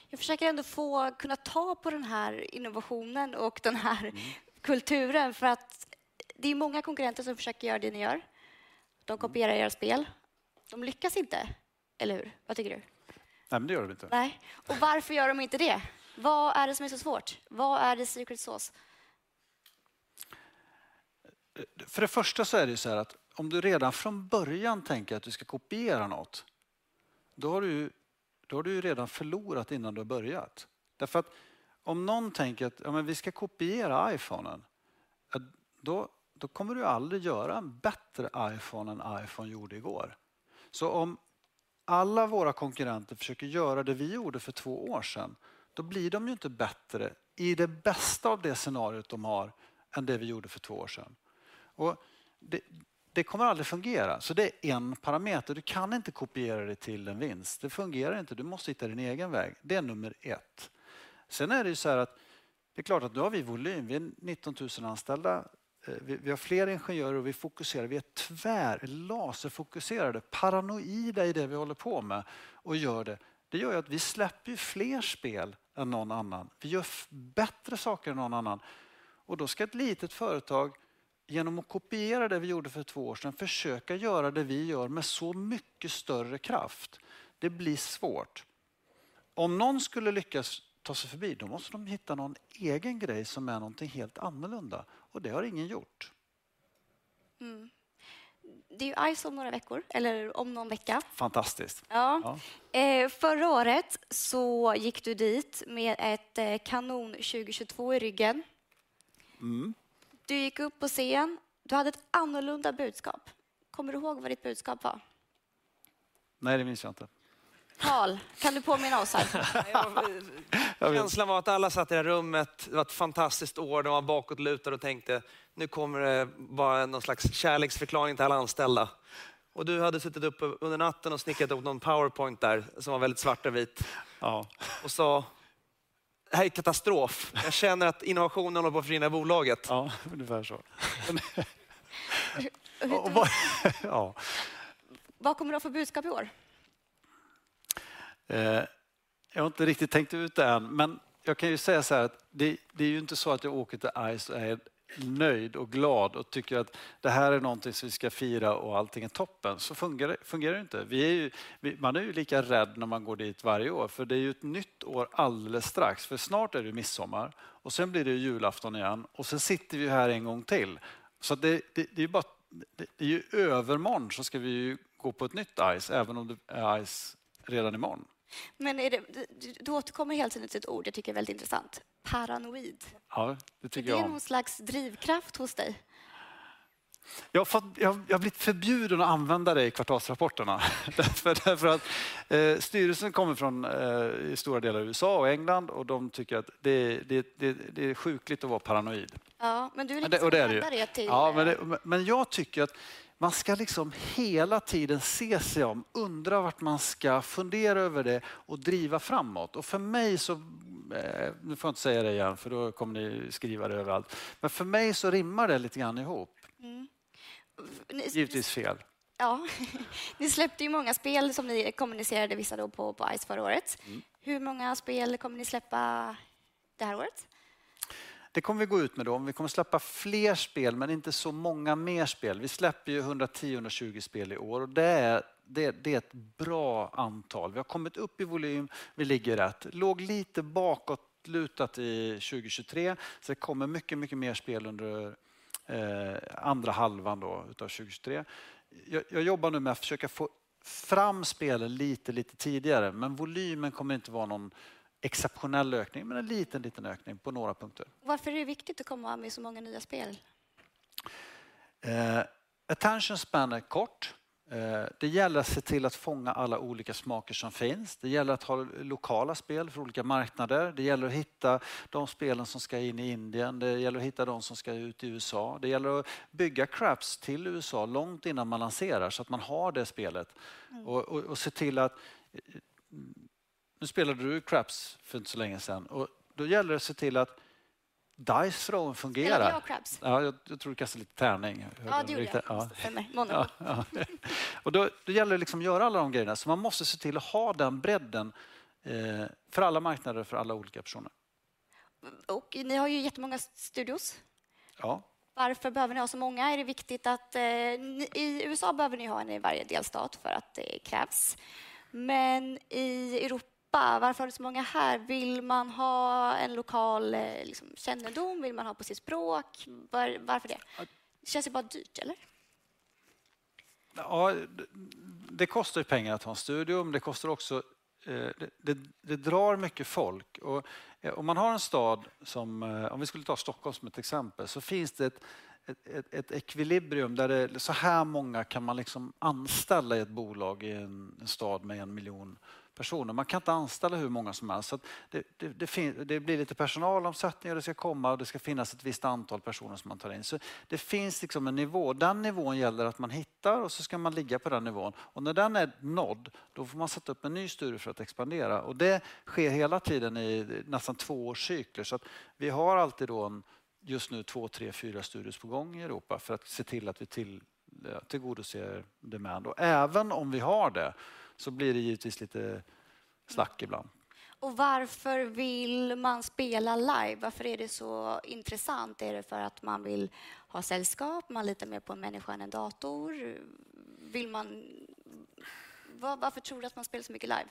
Jag försöker ändå få kunna ta på den här innovationen och den här kulturen, för att det är många konkurrenter som försöker göra det ni gör. De kopierar era spel. De lyckas inte, eller hur? Vad tycker du? Nej, men det gör de inte. Nej, och varför gör de inte det? Vad är det som är så svårt? Vad är det secret sauce? För det första så är det ju såhär att om du redan från början tänker att du ska kopiera något, då har du, då har du ju redan förlorat innan du har börjat. Därför att om någon tänker att, ja men vi ska kopiera iPhone... Då, då kommer du aldrig göra en bättre iPhone än iPhone gjorde igår. Så om alla våra konkurrenter försöker göra det vi gjorde för två år sedan, då blir de ju inte bättre i det bästa av det scenariot de har än det vi gjorde för två år sedan. Och det, det kommer aldrig fungera. Så det är en parameter. Du kan inte kopiera dig till en vinst, det fungerar inte. Du måste hitta din egen väg. Det är nummer ett. Sen är det ju såhär att det är klart att nu har vi volym. Vi är nittontusen anställda, vi har fler ingenjörer och vi fokuserar, vi är tvär, laserfokuserade, paranoida i det vi håller på med och gör det. Det gör att vi släpper fler spel än någon annan. Vi gör bättre saker än någon annan och då ska ett litet företag, genom att kopiera det vi gjorde för två år sedan, försöka göra det vi gör med så mycket större kraft. Det blir svårt. Om någon skulle lyckas ta sig förbi, då måste de hitta någon egen grej som är något helt annorlunda och det har ingen gjort. Mm. Det är ju ICE om några veckor eller om någon vecka. Fantastiskt! Ja. Förra året så gick du dit med ett kanon 2022 i ryggen. Mm. Du gick upp på scen, du hade ett annorlunda budskap. Kommer du ihåg vad ditt budskap var? Nej, det minns jag inte. Tal, kan du påminna oss här? Känslan var att alla satt i det rummet. Det var ett fantastiskt år. De var bakåt lutade och tänkte: Nu kommer det vara någon slags kärleksförklaring till alla anställda. Och du hade suttit upp under natten och snickrat upp någon PowerPoint där som var väldigt svart och vit. Ja. Och sa: Det här är katastrof. Jag känner att innovationen håller på att försvinna i bolaget. Ja, ungefär så. Och vad... Ja. Vad kommer du att få för budskap i år? Jag har inte riktigt tänkt ut det än, men jag kan ju säga såhär att det är ju inte så att jag åker till ICE och är nöjd och glad och tycker att det här är någonting som vi ska fira och allting är toppen. Så fungerar det inte. Vi är ju lika rädda när man går dit varje år, för det är ju ett nytt år alldeles strax, för snart är det midsommar och sen blir det julafton igen och sen sitter vi här en gång till. Så det är ju bara, det är ju övermorgon så ska vi ju gå på ett nytt ICE, även om det är ICE redan i morgon. Men är det, du återkommer hela tiden till ett ord jag tycker är väldigt intressant: paranoid. Ja, det tycker jag också. Är det någon slags drivkraft hos dig? Jag har fått, jag har blivit förbjuden att använda det i kvartalsrapporterna. Därför att styrelsen kommer från i stora delar USA och England och de tycker att det är sjukligt att vara paranoid. Ja, men du är riktigt... Ja, men det, men jag tycker att man ska liksom hela tiden se sig om, undra vart man ska, fundera över det och driva framåt. Och för mig så, nu får jag inte säga det igen, för då kommer ni skriva det överallt. Men för mig så rimmar det lite grann ihop. Mm. Givetvis fel. Ja, ni släppte ju många spel som ni kommunicerade, vissa då på ICE förra året. Hur många spel kommer ni släppa det här året? Det kommer vi gå ut med då. Vi kommer att släppa fler spel, men inte så många fler spel. Vi släpper ju hundratjugo, hundratjugo spel i år och det är, det är ett bra antal. Vi har kommit upp i volym, vi ligger rätt. Låg lite bakåt lutat i 2023. Så det kommer mycket, mycket fler spel under andra halvan då av 2023. Jag jobbar nu med att försöka få fram spelen lite, lite tidigare, men volymen kommer inte vara någon exceptionell ökning, utan en liten, liten ökning på några punkter. Varför är det viktigt att komma med så många nya spel? Attention span är kort. Det gäller att se till att fånga alla olika smaker som finns. Det gäller att ha lokala spel för olika marknader. Det gäller att hitta de spelen som ska in i Indien. Det gäller att hitta de som ska ut i USA. Det gäller att bygga craps till USA långt innan man lanserar så att man har det spelet och se till att... Nu spelade du craps för inte så länge sedan och då gäller det att se till att dice thrown fungerar. Jag, craps? Ja, jag tror du kastar lite tärning. Ja, det gjorde jag. Stämmer, någon gång. Och då, då gäller det att göra alla de grejerna. Så man måste se till att ha den bredden för alla marknader, för alla olika personer. Och ni har ju jättemånga studios. Ja. Varför behöver ni ha så många? Är det viktigt att i USA behöver ni ha en i varje delstat för att det krävs. Men i Europa, varför har du så många här? Vill man ha en lokal kännedom? Vill man ha på sitt språk? Var, varför det? Det känns ju bara dyrt. Ja, det kostar ju pengar att ha en studio, men det kostar också, det drar mycket folk. Och om man har en stad, som om vi skulle ta Stockholm som ett exempel, så finns det ett ekvilibrium där det så här många kan man anställa i ett bolag, i en stad med en miljon personer. Man kan inte anställa hur många som helst. Så att det blir lite personalomsättning och det ska komma och det ska finnas ett visst antal personer som man tar in. Så det finns en nivå. Den nivån gäller att man hittar och så ska man ligga på den nivån. Och när den är nådd, då får man sätta upp en ny studio för att expandera. Och det sker hela tiden i nästan tvåårscykler. Så att vi har alltid då just nu två, tre, fyra studios på gång i Europa för att se till att vi tillgodoser demand. Även om vi har det, så blir det givetvis lite slack ibland. Och varför vill man spela live? Varför är det så intressant? Är det för att man vill ha sällskap? Man litar mer på en människa än en dator. Vill man... Vad, varför tror du att man spelar så mycket live?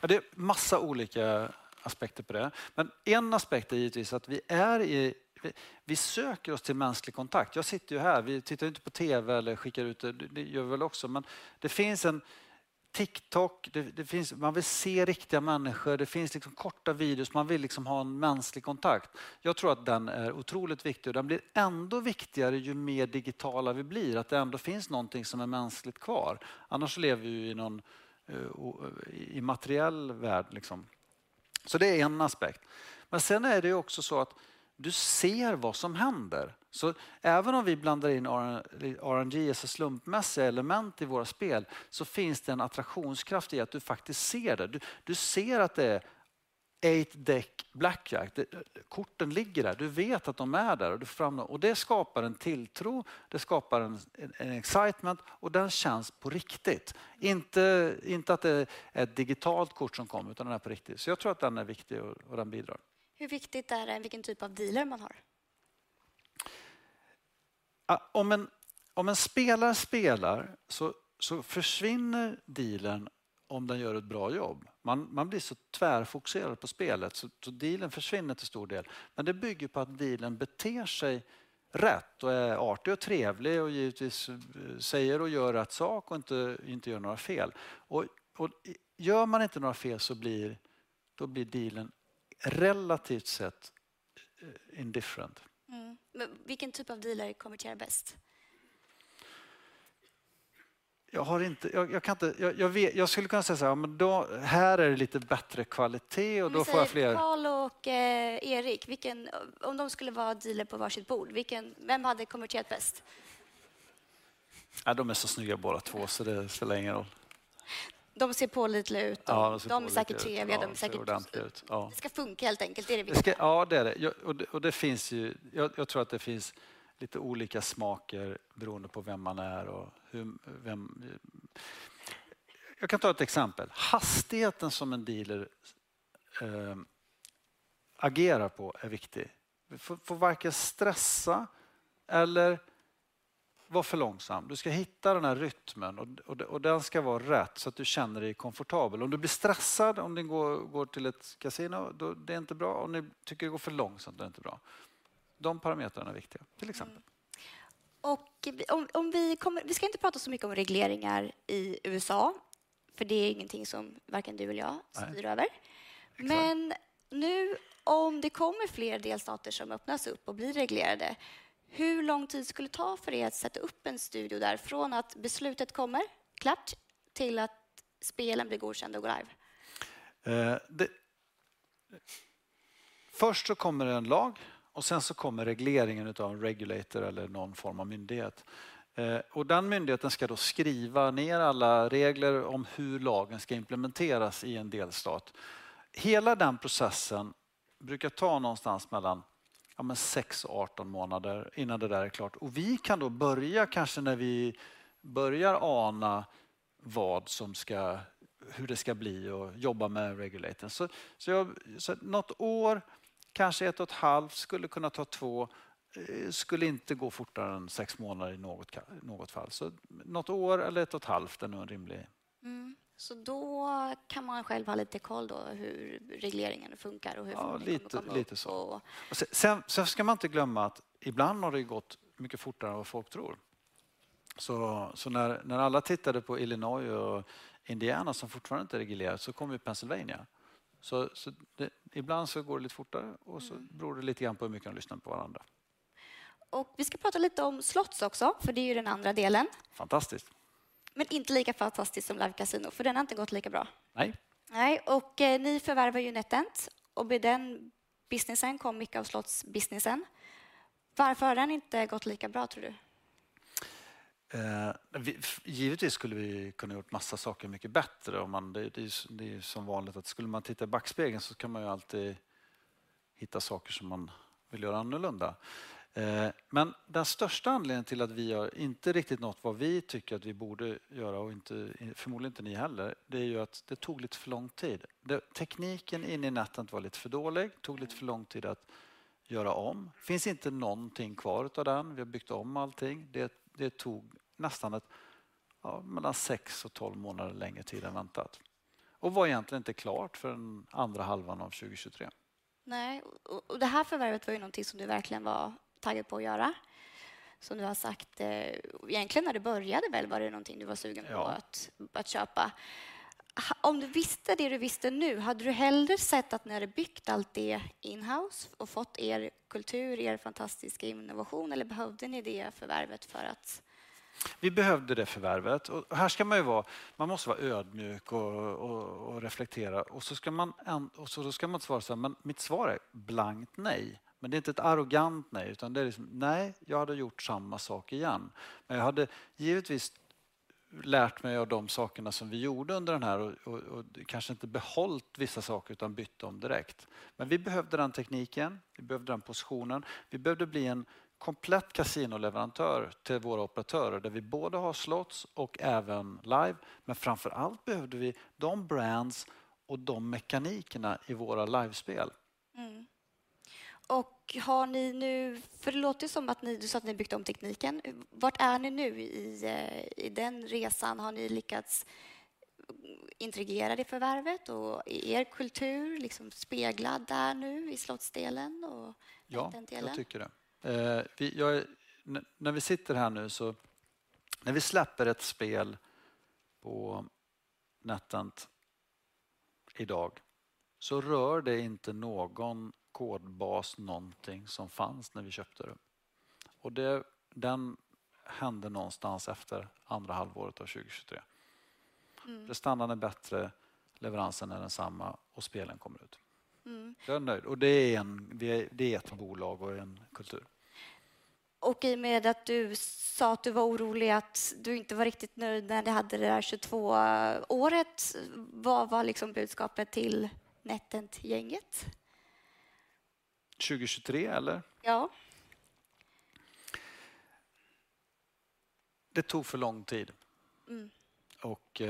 Ja, det är massa olika aspekter på det, men en aspekt är givetvis att vi är i, vi söker oss till mänsklig kontakt. Jag sitter ju här, vi tittar inte på TV eller skickar ut. Det gör vi väl också, men det finns en TikTok. Det finns, man vill se riktiga människor. Det finns liksom korta videos, man vill liksom ha en mänsklig kontakt. Jag tror att den är otroligt viktig och den blir ändå viktigare ju mer digitala vi blir. Att det ändå finns någonting som är mänskligt kvar. Annars lever vi ju i någon immateriell värld liksom. Så det är en aspekt. Men sen är det också så att du ser vad som händer. Så även om vi blandar in RNG, så slumpmässiga element i våra spel, så finns det en attraktionskraft i att du faktiskt ser det. Du ser att det är eight deck blackjack. Korten ligger där, du vet att de är där och du fram-- och det skapar en tilltro, det skapar en excitement och den känns på riktigt. Inte att det är ett digitalt kort som kommer, utan den är på riktigt. Så jag tror att den är viktig och den bidrar. Hur viktigt är det vilken typ av dealer man har? Ja, om en spelare spelar så, så försvinner dealern om den gör ett bra jobb. Man blir så tvärfokuserad på spelet, så dealern försvinner till stor del. Men det bygger på att dealern beter sig rätt och är artig och trevlig och givetvis säger och gör rätt sak och inte gör några fel. Och gör man inte några fel så blir dealern relativt sett indifferent. Mm. Men vilken typ av dealer konverterar bäst? Jag har inte, jag kan inte... Jag skulle kunna säga såhär: Ja, men då, här är det lite bättre kvalitet och då får jag fler- Karl och Erik, vilken av dem skulle vara dealer på varsitt bord, vem hade konverterat bäst? De är så snygga båda två, så det spelar ingen roll. De ser pålitliga ut. Ja, de ser pålitliga ut. De är säkert trevliga, de är säkert ordentliga. Det ska funka helt enkelt, det är det viktiga. Ja, det är det. Det finns ju, jag tror att det finns lite olika smaker beroende på vem man är och hur, vem... Jag kan ta ett exempel. Hastigheten som en dealer agerar på är viktig. Får varken stressa eller vara för långsam. Du ska hitta den här rytmen och den ska vara rätt så att du känner dig komfortabel. Om du blir stressad, om du går, går till ett kasino, då det är inte bra. Om du tycker det går för långsamt, det är inte bra. De parametrarna är viktiga, till exempel. Och om vi kommer-- vi ska inte prata så mycket om regleringar i USA, för det är ingenting som varken du eller jag styr över. Nej, verkligen. Men nu, om det kommer fler delstater som öppnas upp och blir reglerade, hur lång tid skulle det ta för er att sätta upp en studio där? Från att beslutet kommer klart till att spelen blir godkända och går live. Det... Först så kommer det en lag och sen så kommer regleringen utav en regulator eller någon form av myndighet. Och den myndigheten ska då skriva ner alla regler om hur lagen ska implementeras i en delstat. Hela den processen brukar ta någonstans mellan, ja men sex och arton månader innan det där är klart. Och vi kan då börja kanske när vi börjar ana vad som ska, hur det ska bli och jobba med regulatorn. Så något år, kanske ett och ett halvt, skulle kunna ta två, skulle inte gå fortare än sex månader i något fall. Så något år eller ett och ett halvt är nog en rimlig. Mm. Så då kan man själv ha lite koll då hur regleringen funkar och hur- Ja, lite så. Sen ska man inte glömma att ibland har det gått mycket fortare än vad folk tror. När alla tittade på Illinois och Indiana, som fortfarande inte är reglerat, så kom ju Pennsylvania. Ibland så går det lite fortare och det beror lite grann på hur mycket man lyssnar på varandra. Och vi ska prata lite om slots också, för det är ju den andra delen. Fantastiskt! Men inte lika fantastiskt som live casino, för den har inte gått lika bra. Nej. Nej, och ni förvärvar ju NetEnt och med den businessen kom mycket av slots businessen. Varför har den inte gått lika bra tror du? Eh, givetvis skulle vi kunna gjort massa saker mycket bättre. Om man, det är ju, det är ju som vanligt, att skulle man titta i backspegeln så kan man ju alltid hitta saker som man vill göra annorlunda. Men den största anledningen till att vi har inte riktigt nått vad vi tycker att vi borde göra och inte, förmodligen inte ni heller, det är ju att det tog lite för lång tid. Tekniken in i NetEnt var lite för dålig, tog lite för lång tid att göra om. Det finns inte någonting kvar utav den. Vi har byggt om allting. Det tog nästan ett, ja, mellan sex och tolv månader längre tid än väntat. Och var egentligen inte klart förrän andra halvan av 2023. Nej, och det här förvärvet var ju någonting som du verkligen var taggad på att göra. Som du har sagt, egentligen när det började väl var det någonting du var sugen på- Ja att köpa. Om du visste det du visste nu, hade du hellre sett att ni hade byggt allt det in-house och fått er kultur, er fantastiska innovation, eller behövde ni det förvärvet för att...? Vi behövde det förvärvet. Här ska man ju vara, man måste vara ödmjuk och reflektera. Så ska man inte svara såhär: Men mitt svar är blankt nej, men det är inte ett arrogant nej, utan det är liksom nej, jag hade gjort samma sak igen. Men jag hade givetvis lärt mig av de sakerna som vi gjorde under den här och kanske inte behållit vissa saker utan bytt dem direkt. Men vi behövde den tekniken, vi behövde den positionen. Vi behövde bli en komplett kasinoleverantör till våra operatörer, där vi både har slots och även live. Men framför allt behövde vi de brands och de mekanikerna i våra livespel. Mm. Och har ni nu... För det låter ju som att ni, du sa att ni byggde om tekniken. Var är ni nu i den resan? Har ni lyckats komma integrerade i förvärvet och i er kultur, liksom speglad där nu i slottsdelen och NetEnt-delen? Ja, jag tycker det. När vi sitter här nu, så när vi släpper ett spel på NetEnt idag, så rör det inte någon kodbas, någonting som fanns när vi köpte det. Det hände någonstans efter andra halvåret av 2023. Resultaten är bättre, leveransen är densamma och spelen kommer ut. Jag är nöjd och det är ett bolag och en kultur. Och i och med att du sa att du var orolig, att du inte var riktigt nöjd när ni hade det där 22-året, vad var budskapet till NetEnt-gänget? 2023, eller? Ja. Det tog för lång tid. Och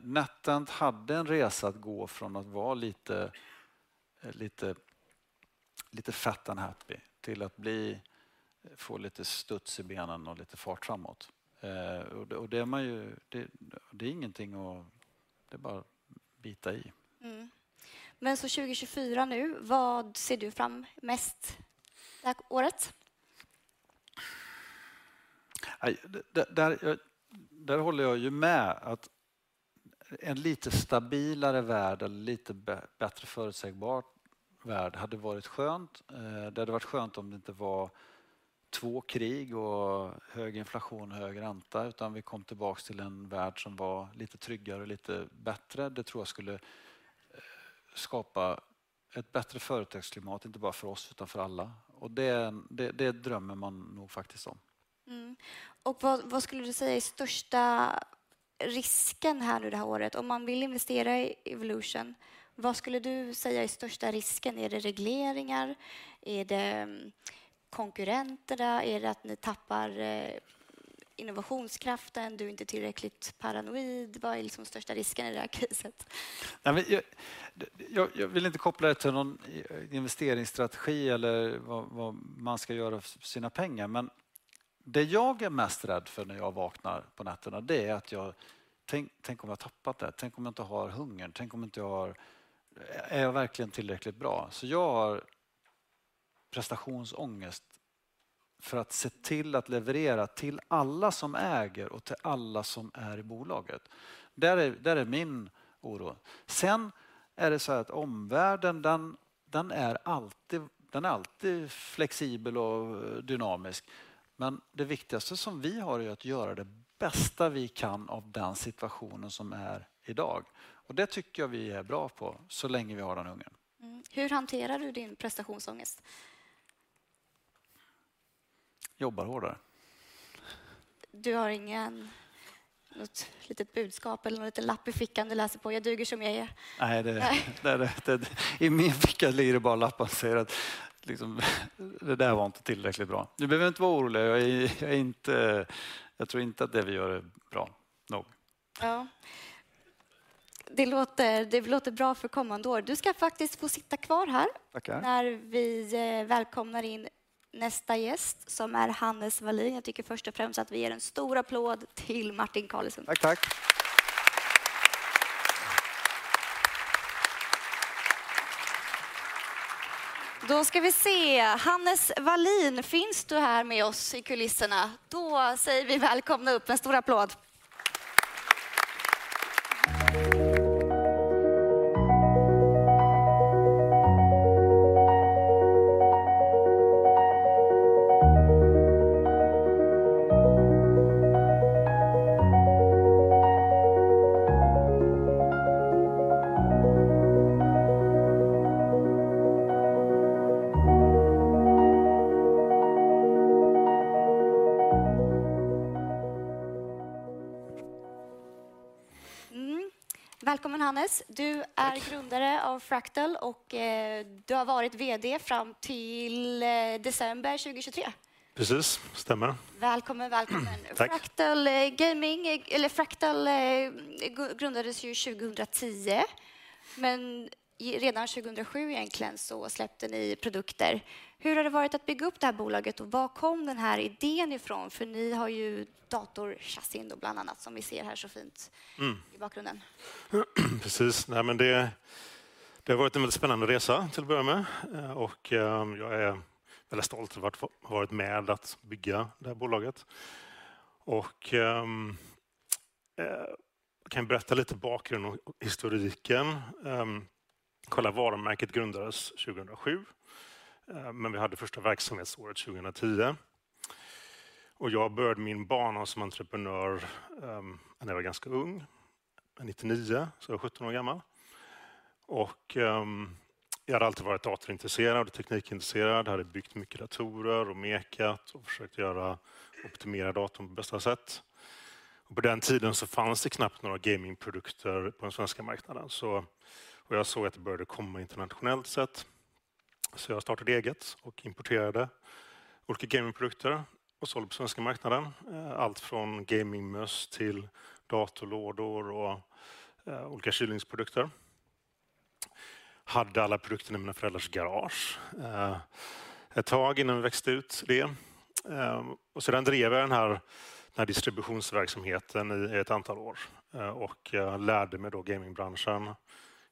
NetEnt hade en resa att gå från att vara lite, lite, lite fattan happy till att bli, få lite studs i benen och lite fart framåt. Och det är man ju, det är ingenting och det är bara bita i. Men så 2024 nu, vad ser du fram emot mest det här året? Äh, där håller jag ju med att en lite stabilare värld eller lite bättre förutsägbar värld hade varit skönt. Det hade varit skönt om det inte var två krig och hög inflation och hög ränta, utan vi kom tillbaka till en värld som var lite tryggare och lite bättre. Det tror jag skulle skapa ett bättre företagsklimat, inte bara för oss, utan för alla. Och det drömmer man nog faktiskt om. Mm. Och vad skulle du säga är största risken här nu det här året? Om man vill investera i Evolution, vad skulle du säga är största risken? Är det regleringar? Är det konkurrenterna? Är det att ni tappar innovationskraften, du är inte tillräckligt paranoid? Vad är liksom största risken i det här caset? Jag vill inte koppla det till någon investeringsstrategi eller vad man ska göra för sina pengar. Men det jag är mest rädd för när jag vaknar på nätterna, det är att tänk om jag har tappat det? Tänk om jag inte har hungern? Tänk om inte jag har... Är jag verkligen tillräckligt bra? Så jag har prestationsångest för att se till att leverera till alla som äger och till alla som är i bolaget. Det där är min oro. Sen är det såhär att omvärlden, den är alltid flexibel och dynamisk, men det viktigaste som vi har är att göra det bästa vi kan av den situationen som är idag. Och det tycker jag vi är bra på så länge vi har den hungern. Hur hanterar du din prestationsångest? Jobbar hårdare. Du har ingen, något litet budskap eller något lite lapp i fickan du läser på: Jag duger som jag är. Nej, det är, i min ficka ligger det bara lappen och säger att det där var inte tillräckligt bra. Du behöver inte vara orolig, jag är inte, jag tror inte att det vi gör är bra nog. Ja, det låter bra för kommande år. Du ska faktiskt få sitta kvar här. Tack! När vi välkomnar in nästa gäst, som är Hannes Wallin. Jag tycker först och främst att vi ger en stor applåd till Martin Carlesen. Tack, tack! Då ska vi se. Hannes Wallin, finns du här med oss i kulisserna? Då säger vi välkomna upp med en stor applåd. Välkommen, Hannes! Tack. Du är grundare av Fractal och du har varit VD fram till december 2023. Precis, stämmer. Välkommen, välkommen! Tack. Fractal Gaming eller Fractal grundades ju 2010, men redan 2007 egentligen så släppte ni produkter. Hur har det varit att bygga upp det här bolaget och var kom den här idén ifrån? För ni har ju datorchassin då bland annat, som vi ser här så fint i bakgrunden. Precis. Nej, men det har varit en väldigt spännande resa till att börja med och jag är väldigt stolt över att ha varit med att bygga det här bolaget. Jag kan berätta lite bakgrund och historiken. Kolla, varumärket grundades 2007, men vi hade första verksamhetsåret 2010. Jag började min bana som entreprenör när jag var ganska ung, 1999, så jag var sjutton år gammal. Jag hade alltid varit datorintresserad och teknikintresserad, hade byggt mycket datorer och mekat och försökt optimera datorn på bästa sätt. På den tiden så fanns det knappt några gamingprodukter på den svenska marknaden. Jag såg att det började komma internationellt sett. Så jag startade eget och importerade olika gamingprodukter och sålde på svenska marknaden. Allt från gamingmus till datorlådor och olika kylningsprodukter. Hade alla produkterna i mina föräldrars garage ett tag innan vi växte ut det. Och sedan drev jag den här distributionsverksamheten i ett antal år och lärde mig då gamingbranschen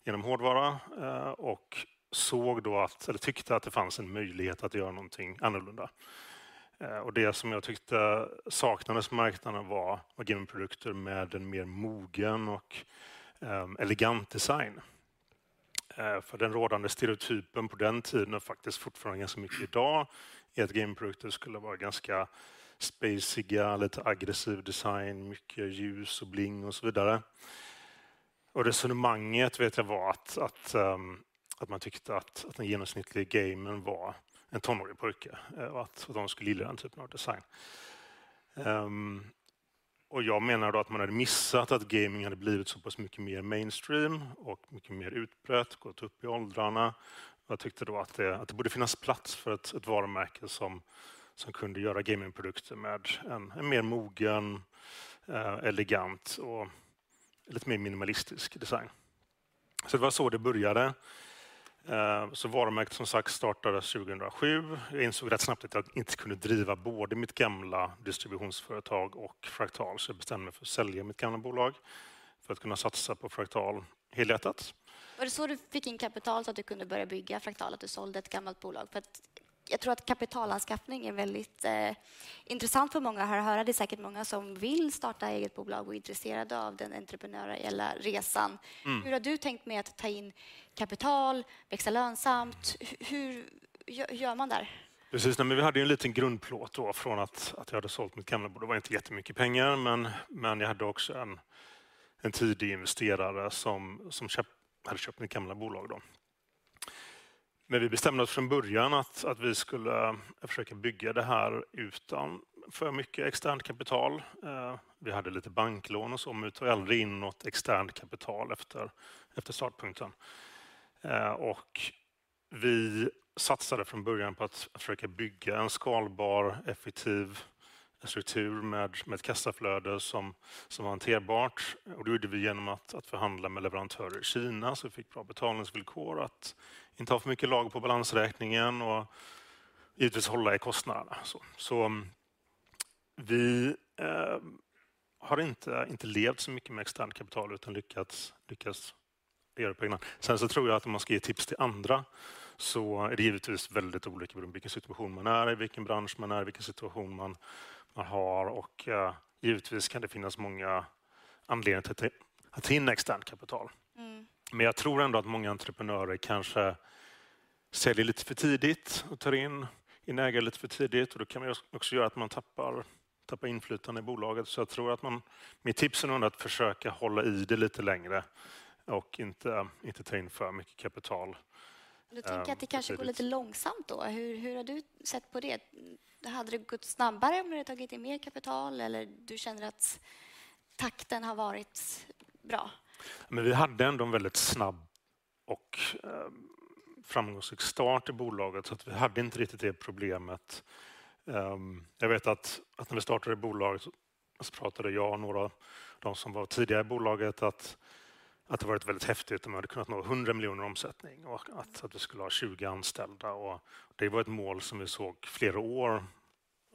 genom hårdvara och såg då att, eller tyckte att det fanns en möjlighet att göra någonting annorlunda. Och det som jag tyckte saknades på marknaden var gamingprodukter med en mer mogen och elegant design. För den rådande stereotypen på den tiden och faktiskt fortfarande ganska mycket idag, är att gamingprodukter skulle vara ganska spaceiga, lite aggressiv design, mycket ljus och bling och så vidare. Och resonemanget vet jag var att man tyckte att den genomsnittlige gamern var en tonårig pojke och att de skulle gilla den typen av design. Och jag menar då att man hade missat att gaming hade blivit så pass mycket mer mainstream och mycket mer utbrett, gått upp i åldrarna. Jag tyckte då att det borde finnas plats för ett varumärke som kunde göra gamingprodukter med en mer mogen, elegant och lite mer minimalistisk design. Det var så det började. Varumärket som sagt startades 2007. Jag insåg rätt snabbt att jag inte kunde driva både mitt gamla distributionsföretag och Fractal, så jag bestämde mig för att sälja mitt gamla bolag för att kunna satsa på Fractal helhjärtat. Var det så du fick in kapital så att du kunde börja bygga Fractal, att du sålde ett gammalt bolag? För att jag tror att kapitalanskaffning är väldigt intressant för många att höra. Det är säkert många som vill starta eget bolag och är intresserade av den entreprenöriella resan. Hur har du tänkt med att ta in kapital, växa lönsamt? Hur gör man där? Precis, nej men vi hade ju en liten grundplåt då från att jag hade sålt mitt gamla bolag. Det var inte jättemycket pengar, men jag hade också en tidig investerare som hade köpt mitt gamla bolag då. Men vi bestämde oss från början att vi skulle försöka bygga det här utan för mycket externt kapital. Vi hade lite banklån och så, men vi tog aldrig in något externt kapital efter startpunkten. Vi satsade från början på att försöka bygga en skalbar, effektiv struktur med ett kassaflöde som var hanterbart. Det gjorde vi igenom att förhandla med leverantörer i Kina, så vi fick bra betalningsvillkor, att inte ha för mycket lager på balansräkningen och givetvis hålla i kostnaderna. Vi har inte levt så mycket med externt kapital, utan lyckats leverera på egna. Sen så tror jag att om man ska ge tips till andra, så är det givetvis väldigt olika beroende på vilken situation man är i, vilken bransch man är i, vilken situation man har. Och givetvis kan det finnas många anledningar till att ta in externt kapital. Men jag tror ändå att många entreprenörer kanske säljer lite för tidigt och tar in ägare lite för tidigt, och det kan man också göra att man tappar inflytande i bolaget. Så jag tror att mitt tips är nog att försöka hålla i det lite längre och inte ta in för mycket kapital. Då tänker jag att det kanske går lite långsamt då. Hur har du sett på det? Hade det gått snabbare om du hade tagit in mer kapital? Eller du känner att takten har varit bra? Men vi hade ändå en väldigt snabb och framgångsrik start i bolaget, så vi hade inte riktigt det problemet. Jag vet att när vi startade bolaget så pratade jag och några av de som var tidiga i bolaget att det varit väldigt häftigt om vi hade kunnat nå 100 miljoner i omsättning och att vi skulle ha tjugo anställda. Det var ett mål som vi såg flera år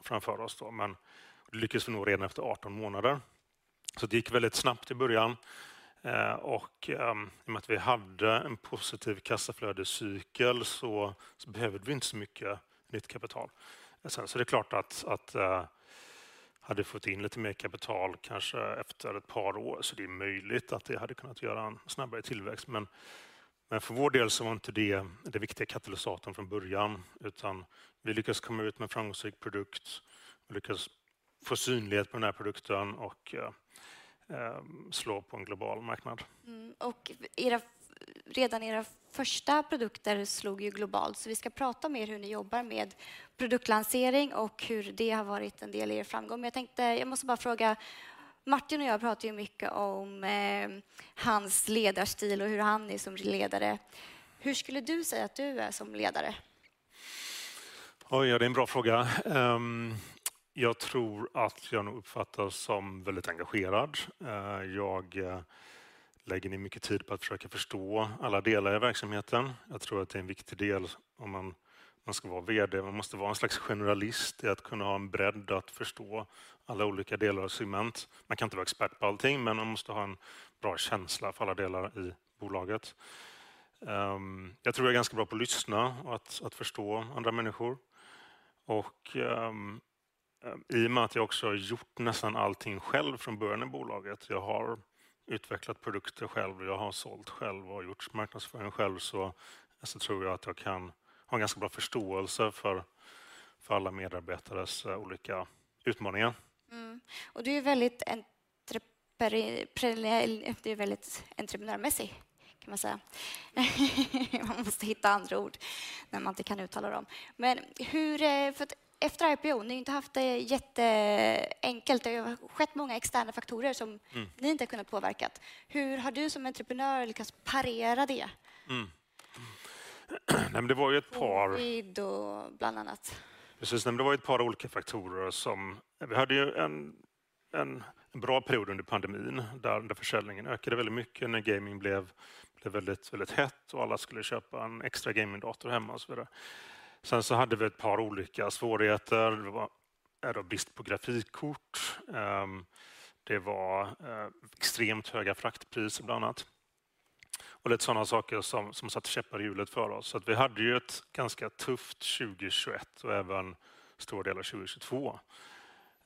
framför oss då, men det lyckades vi nog redan efter arton månader. Det gick väldigt snabbt i början. I och med att vi hade en positiv kassaflödescykel så behövde vi inte så mycket nytt kapital. Sen så är det klart att hade vi fått in lite mer kapital, kanske efter ett par år, så det är möjligt att det hade kunnat göra en snabbare tillväxt. Men för vår del så var inte det den viktiga katalysatorn från början, utan vi lyckades komma ut med en framgångsrik produkt, lyckades få synlighet på den här produkten och slå igenom på en global marknad. Och era, redan era första produkter slog ju globalt, så vi ska prata mer hur ni jobbar med produktlansering och hur det har varit en del i er framgång. Jag tänkte, jag måste bara fråga, Martin och jag pratar ju mycket om hans ledarstil och hur han är som ledare. Hur skulle du säga att du är som ledare? Oj, ja, det är en bra fråga. Jag tror att jag nog uppfattas som väldigt engagerad. Jag lägger ner mycket tid på att försöka förstå alla delar i verksamheten. Jag tror att det är en viktig del om man ska vara VD. Man måste vara en slags generalist i att kunna ha en bredd, att förstå alla olika delar och segment. Man kan inte vara expert på allting, men man måste ha en bra känsla för alla delar i bolaget. Jag tror jag är ganska bra på att lyssna och att förstå andra människor. I och med att jag också har gjort nästan allting själv från början i bolaget, jag har utvecklat produkter själv, jag har sålt själv och gjort marknadsföring själv, så tror jag att jag kan ha en ganska bra förståelse för alla medarbetares olika utmaningar. Mm. Och du är väldigt entrepre... det är väldigt entreprenörmässig, kan man säga. Man måste hitta andra ord när man inte kan uttala dem. Men hur, för efter IPO, ni har inte haft det jätteenkelt. Det har skett många externa faktorer som ni inte kunnat påverka. Hur har du som entreprenör lyckats parera det? Nej, men det var ju ett par. Covid bland annat. Precis, det var ett par olika faktorer som vi hade ju en bra period under pandemin, där försäljningen ökade väldigt mycket, när gaming blev väldigt, väldigt hett och alla skulle köpa en extra gamingdator hemma och så vidare. Sen så hade vi ett par olika svårigheter. Det var brist på grafikkort, det var extremt höga fraktpriser bland annat. Och lite sådana saker som satte käppar i hjulet för oss. Så att vi hade ju ett ganska tufft 2021 och även stora delar av 2022.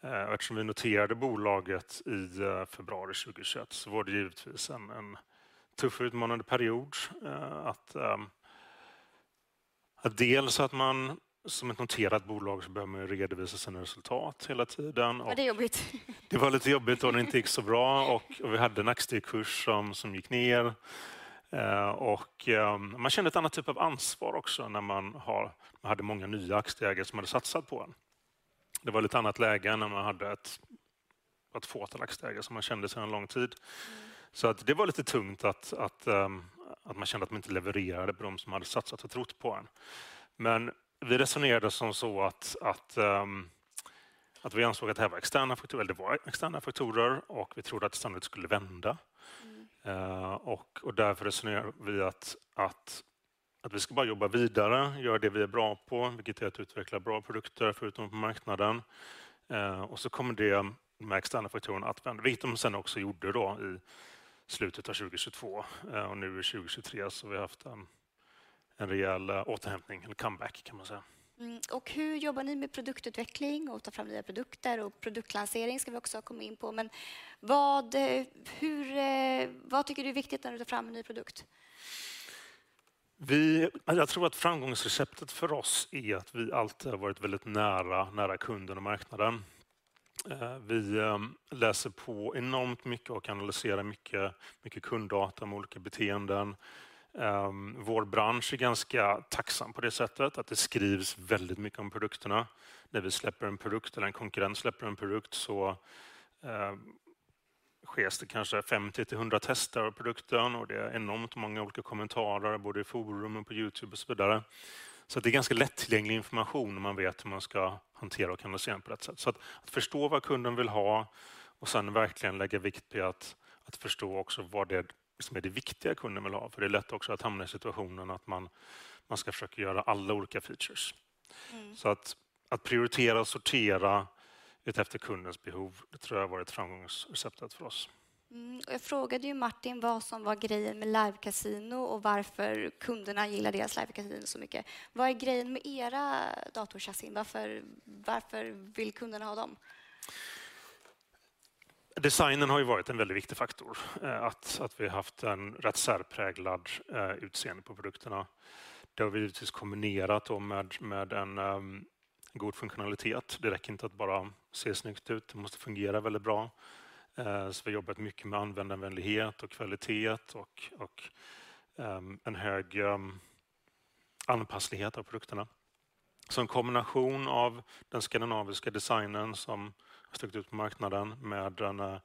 Och eftersom vi noterade bolaget i februari 2021, så var det givetvis en tuff och utmanande period. Att dels att man som ett noterat bolag så behöver man ju redovisa sina resultat hela tiden. Ja, det är jobbigt. Det var lite jobbigt och det gick inte så bra och vi hade en aktiekurs som gick ner. Man kände ett annat typ av ansvar också när man hade många nya aktieägare som hade satsat på en. Det var lite annat läge än när man hade ett fåtal aktieägare som man kände sedan en lång tid. Det var lite tungt att man kände att man inte levererade på de som hade satsat och trott på en. Men vi resonerade som så att vi ansåg att det här var externa faktorer, och vi trodde att det snabbt skulle vända. Därför resonerade vi att vi ska bara jobba vidare, göra det vi är bra på, vilket är att utveckla bra produkter för ut på marknaden. Och så kommer det med externa faktorer att vända, vilket de sedan också gjorde då i slutet av 2022. Och nu i 2023 så har vi haft en rejäl återhämtning, en comeback kan man säga. Mm. Och hur jobbar ni med produktutveckling och ta fram nya produkter och produktlansering ska vi också komma in på. Men vad, hur, vad tycker du är viktigt när du tar fram en ny produkt? Vi, jag tror att framgångsreceptet för oss är att vi alltid har varit väldigt nära, nära kunden och marknaden. Vi läser på enormt mycket och kan analysera mycket, mycket kunddata med olika beteenden. Vår bransch är ganska tacksam på det sättet att det skrivs väldigt mycket om produkterna. När vi släpper en produkt eller en konkurrent släpper en produkt, så sker det kanske femtio till hundra tester av produkten och det är enormt många olika kommentarer, både i forum och på YouTube och så vidare. Så det är ganska lättillgänglig information när man vet hur man ska hantera och analysera på rätt sätt. Så att förstå vad kunden vill ha och sedan verkligen lägga vikt vid att förstå också vad det som är det viktiga kunden vill ha. För det är lätt också att hamna i situationen att man ska försöka göra alla olika features. Så att prioritera och sortera utefter kundens behov, det tror jag har varit framgångsreceptet för oss. Mm. Jag frågade ju Martin vad som var grejen med livekasino och varför kunderna gillar deras livekasino så mycket. Vad är grejen med era datorkasinon? Varför, varför vill kunderna ha dem? Designen har ju varit en väldigt viktig faktor. Att vi haft en rätt särpräglad utseende på produkterna. Det har vi givetvis kombinerat med en god funktionalitet. Det räcker inte att bara se snyggt ut, det måste fungera väldigt bra. Så vi har jobbat mycket med användarvänlighet och kvalitet och en hög anpasslighet av produkterna. Så en kombination av den skandinaviska designen som har stuckit ut på marknaden med en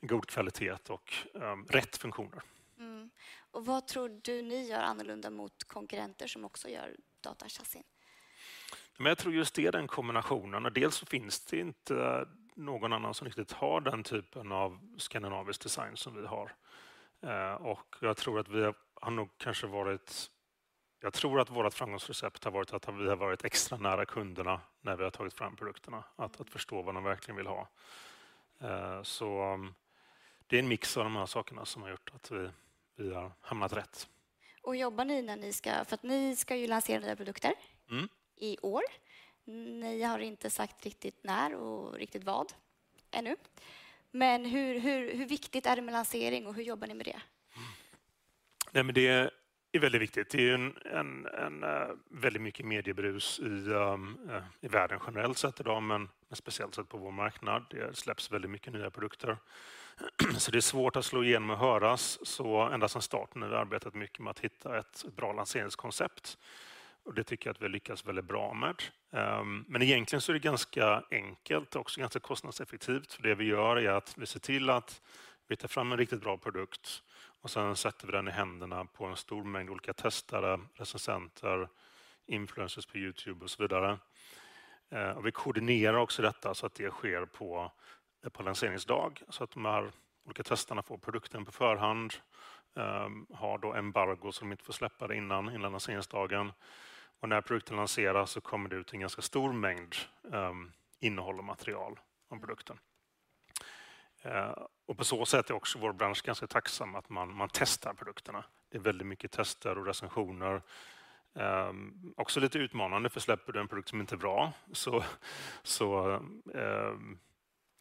god kvalitet och rätt funktioner. Mm. Och vad tror du ni gör annorlunda mot konkurrenter som också gör datorchassin? Jag tror just det är den kombinationen. Dels så finns det inte någon annan som riktigt har den typen av skandinavisk design som vi har. Och jag tror att vi har nog kanske varit... Jag tror att vårt framgångsrecept har varit att vi har varit extra nära kunderna när vi har tagit fram produkterna, att förstå vad de verkligen vill ha. Så det är en mix av de här sakerna som har gjort att vi har hamnat rätt. Och jobbar ni när ni ska, för att ni ska ju lansera nya produkter? Mm. i år. Ni har inte sagt riktigt när och riktigt vad ännu, men hur viktigt är det med lansering och hur jobbar ni med det? Nej, men det är väldigt viktigt. Det är ju en väldigt mycket mediebrus i världen generellt sett idag, men speciellt sett på vår marknad. Det släpps väldigt mycket nya produkter, så det är svårt att slå igenom och höras. Ända sedan starten har vi arbetat mycket med att hitta ett bra lanseringskoncept och det tycker jag att vi har lyckats väldigt bra med. Men egentligen så är det ganska enkelt, också ganska kostnadseffektivt. För det vi gör är att vi ser till att vi tar fram en riktigt bra produkt och sedan sätter vi den i händerna på en stor mängd olika testare, recensenter, influencers på YouTube och så vidare. Vi koordinerar också detta så att det sker på lanseringsdag. Så att de här olika testarna får produkten på förhand, har då embargo som inte får släppa det innan lanseringsdagen. Och när produkten lanseras så kommer det ut en ganska stor mängd innehåll och material om produkten. Och på så sätt är också vår bransch ganska tacksam att man testar produkterna. Det är väldigt mycket tester och recensioner. Också lite utmanande, för släpper du en produkt som inte är bra, så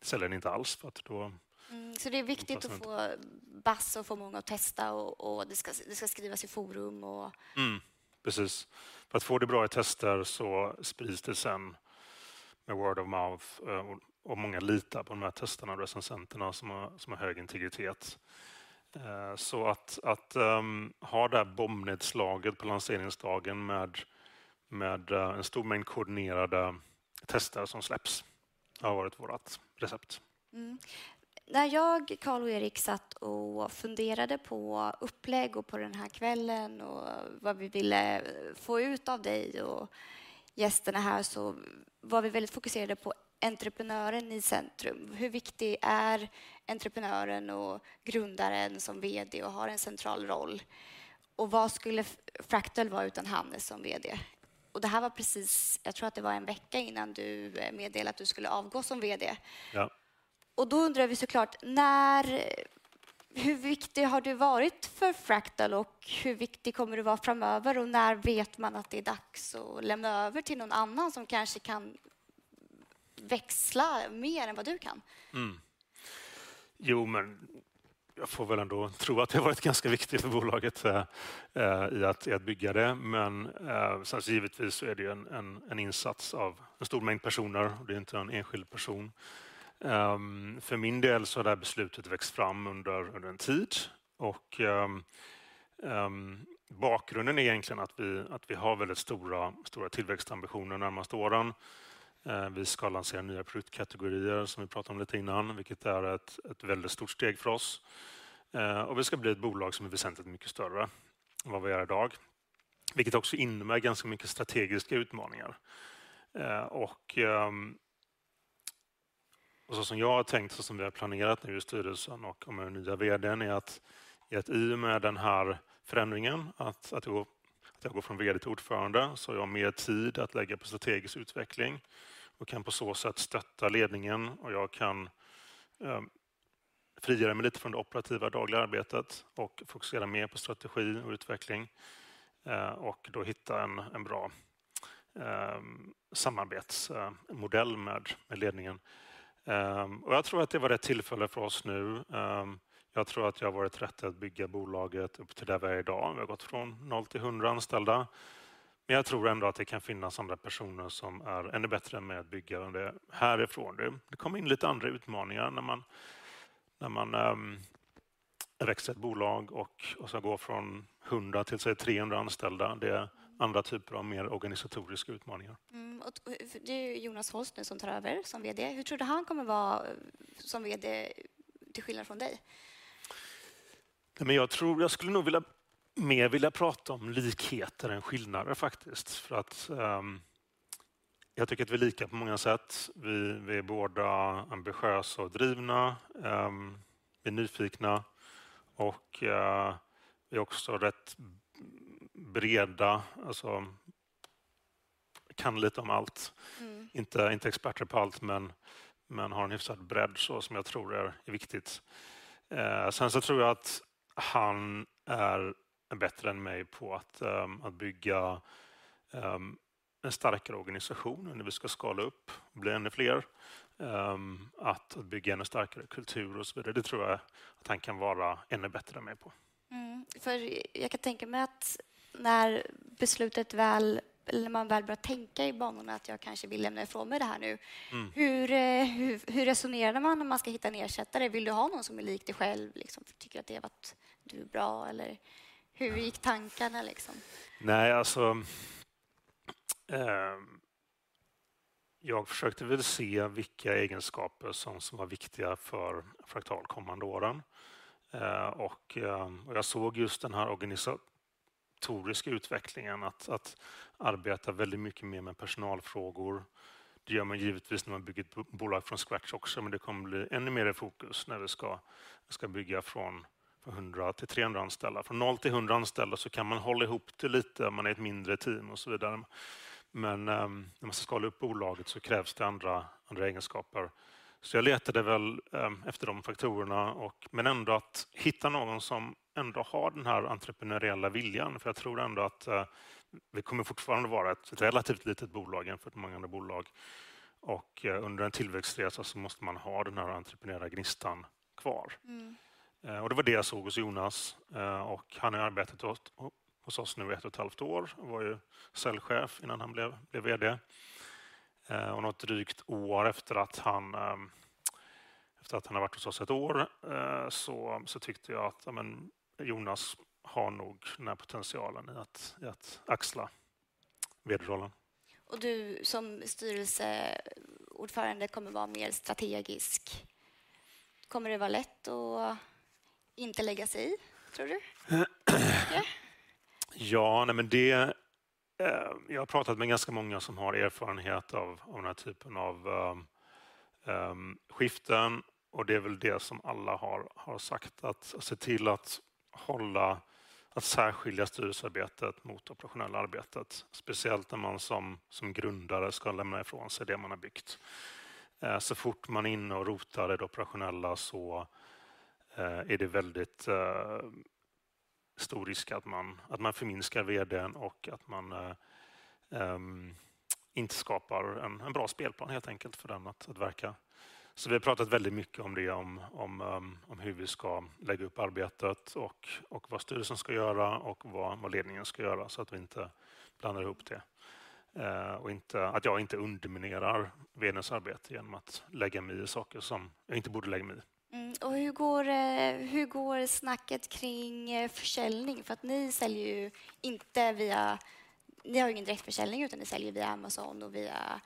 säljer den inte alls för att då- Så det är viktigt att få bas och få många att testa och det ska skrivas i forum och- Mm, precis. För att få det bra i tester så sprids det sedan med word of mouth och många litar på de här testarna och recensenterna som har hög integritet. Så att ha det bombnedslaget på lanseringsdagen med en stor mängd koordinerade testare som släpps har varit vårt recept. Mm. När jag, Carl och Erik satt och funderade på upplägg och på den här kvällen och vad vi ville få ut av dig och gästerna här, så var vi väldigt fokuserade på entreprenören i centrum. Hur viktig är entreprenören och grundaren som VD och har en central roll? Och vad skulle Fractal vara utan Hannes som VD? Och det här var precis, jag tror att det var en vecka innan du meddelade att du skulle avgå som VD. Ja. Och då undrar vi så klart, när, hur viktig har du varit för Fractal och hur viktig kommer du vara framöver? Och när vet man att det är dags att lämna över till någon annan som kanske kan växla mer än vad du kan? Mm. Jo, men jag får väl ändå tro att jag har varit ganska viktig för bolaget i att bygga det. Men sen givetvis så är det ju en insats av en stor mängd personer. Det är inte en enskild person. För min del så har det här beslutet växt fram under en tid och bakgrunden är egentligen att vi har väldigt stora tillväxtambitioner närmaste åren. Vi ska lansera nya produktkategorier, som vi pratade om lite innan, vilket är ett väldigt stort steg för oss. Och vi ska bli ett bolag som är väsentligt mycket större än vad vi är idag, vilket också innebär ganska mycket strategiska utmaningar. Så som jag har tänkt och som vi har planerat nu i styrelsen och med den nya VD:n, är att i och med den här förändringen, att jag går från VD till ordförande, så har jag mer tid att lägga på strategisk utveckling och kan på så sätt stötta ledningen. Jag kan frigöra mig lite från det operativa dagliga arbetet och fokusera mer på strategi och utveckling, och då hitta en bra samarbetsmodell med ledningen. Jag tror att det var rätt tillfälle för oss nu. Jag tror att jag har varit rätt att bygga bolaget upp till det vi är idag. Vi har gått från noll till hundra anställda, men jag tror ändå att det kan finnas andra personer som är ännu bättre med att bygga det här ifrån det. Det kommer in lite andra utmaningar när man växer ett bolag och ska gå från hundra till trehundra anställda. Det är andra typer av mer organisatoriska utmaningar. Mm, och det är Jonas Holst nu som tar över som VD. Hur tror du han kommer vara som VD till skillnad från dig? Nej, men jag tror, jag skulle nog vilja, mer vilja prata om likheter än skillnader faktiskt. För att jag tycker att vi är lika på många sätt. Vi är båda ambitiösa och drivna, vi är nyfikna och vi är också rätt breda, alltså kan lite om allt. Mm. Inte experter på allt, men har en hyfsad bredd så som jag tror är viktigt. Sen så tror jag att han är bättre än mig på att bygga en starkare organisation när vi ska skala upp, bli ännu fler, att bygga ännu starkare kultur och så vidare. Det tror jag att han kan vara ännu bättre än mig på. Mm, för jag kan tänka mig att när beslutet väl, eller när man väl börjar tänka i banorna att jag kanske vill lämna ifrån mig det här nu. Mm. Hur resonerar man när man ska hitta en ersättare? Vill du ha någon som är lik dig själv? Liksom, tycker att det varit, du är bra eller hur gick tankarna, liksom? Nej, alltså, jag försökte väl se vilka egenskaper som var viktiga för Fractal kommande åren. Och jag såg just den här organisatoriska utvecklingen, att arbeta väldigt mycket mer med personalfrågor. Det gör man givetvis när man bygger ett bolag från scratch också, men det kommer bli ännu mer i fokus när det ska bygga från hundra till trehundra anställda. Från noll till hundra anställda så kan man hålla ihop det lite, man är ett mindre team och så vidare. Men när man ska skala upp bolaget så krävs det andra egenskaper. Så jag letade väl efter de faktorerna. Men ändå att hitta någon som ändå har den här entreprenöriella viljan. För jag tror ändå att det kommer fortfarande vara ett relativt litet bolag jämfört med många andra bolag. Och under en tillväxtresa så måste man ha den här entreprenöriella gnistan kvar. Mm. Och det var det jag såg hos Jonas, och han har arbetat hos oss nu i ett och ett halvt år och var ju säljchef innan han blev VD. Och något drygt år efter att han har varit hos oss ett år, så tyckte jag att, ja men Jonas har nog den här potentialen i att axla VD-rollen. Och du som styrelseordförande kommer vara mer strategisk. Kommer det vara lätt att inte lägga sig i, tror du? Ja, nej, men det... Jag har pratat med ganska många som har erfarenhet av den här typen av skiften och det är väl det som alla har sagt. Att se till att hålla, att särskilja styrelsearbetet mot det operationella arbetet, speciellt när man som grundare ska lämna ifrån sig det man har byggt. Så fort man är inne och rotar i det operationella så är det väldigt stor risk att man förminskar VD:n och att man inte skapar en bra spelplan helt enkelt för den att verka. Så vi har pratat väldigt mycket om det, om hur vi ska lägga upp arbetet och vad styrelsen ska göra och vad ledningen ska göra så att vi inte blandar ihop det. Äh, och inte, att jag inte underminerar VD:ns arbete genom att lägga mig i saker som jag inte borde lägga mig i. Mm. Och hur går, hur går snacket kring försäljning? För att ni säljer ju inte via... Ni har ju ingen direktförsäljning, utan ni säljer via Amazon och via,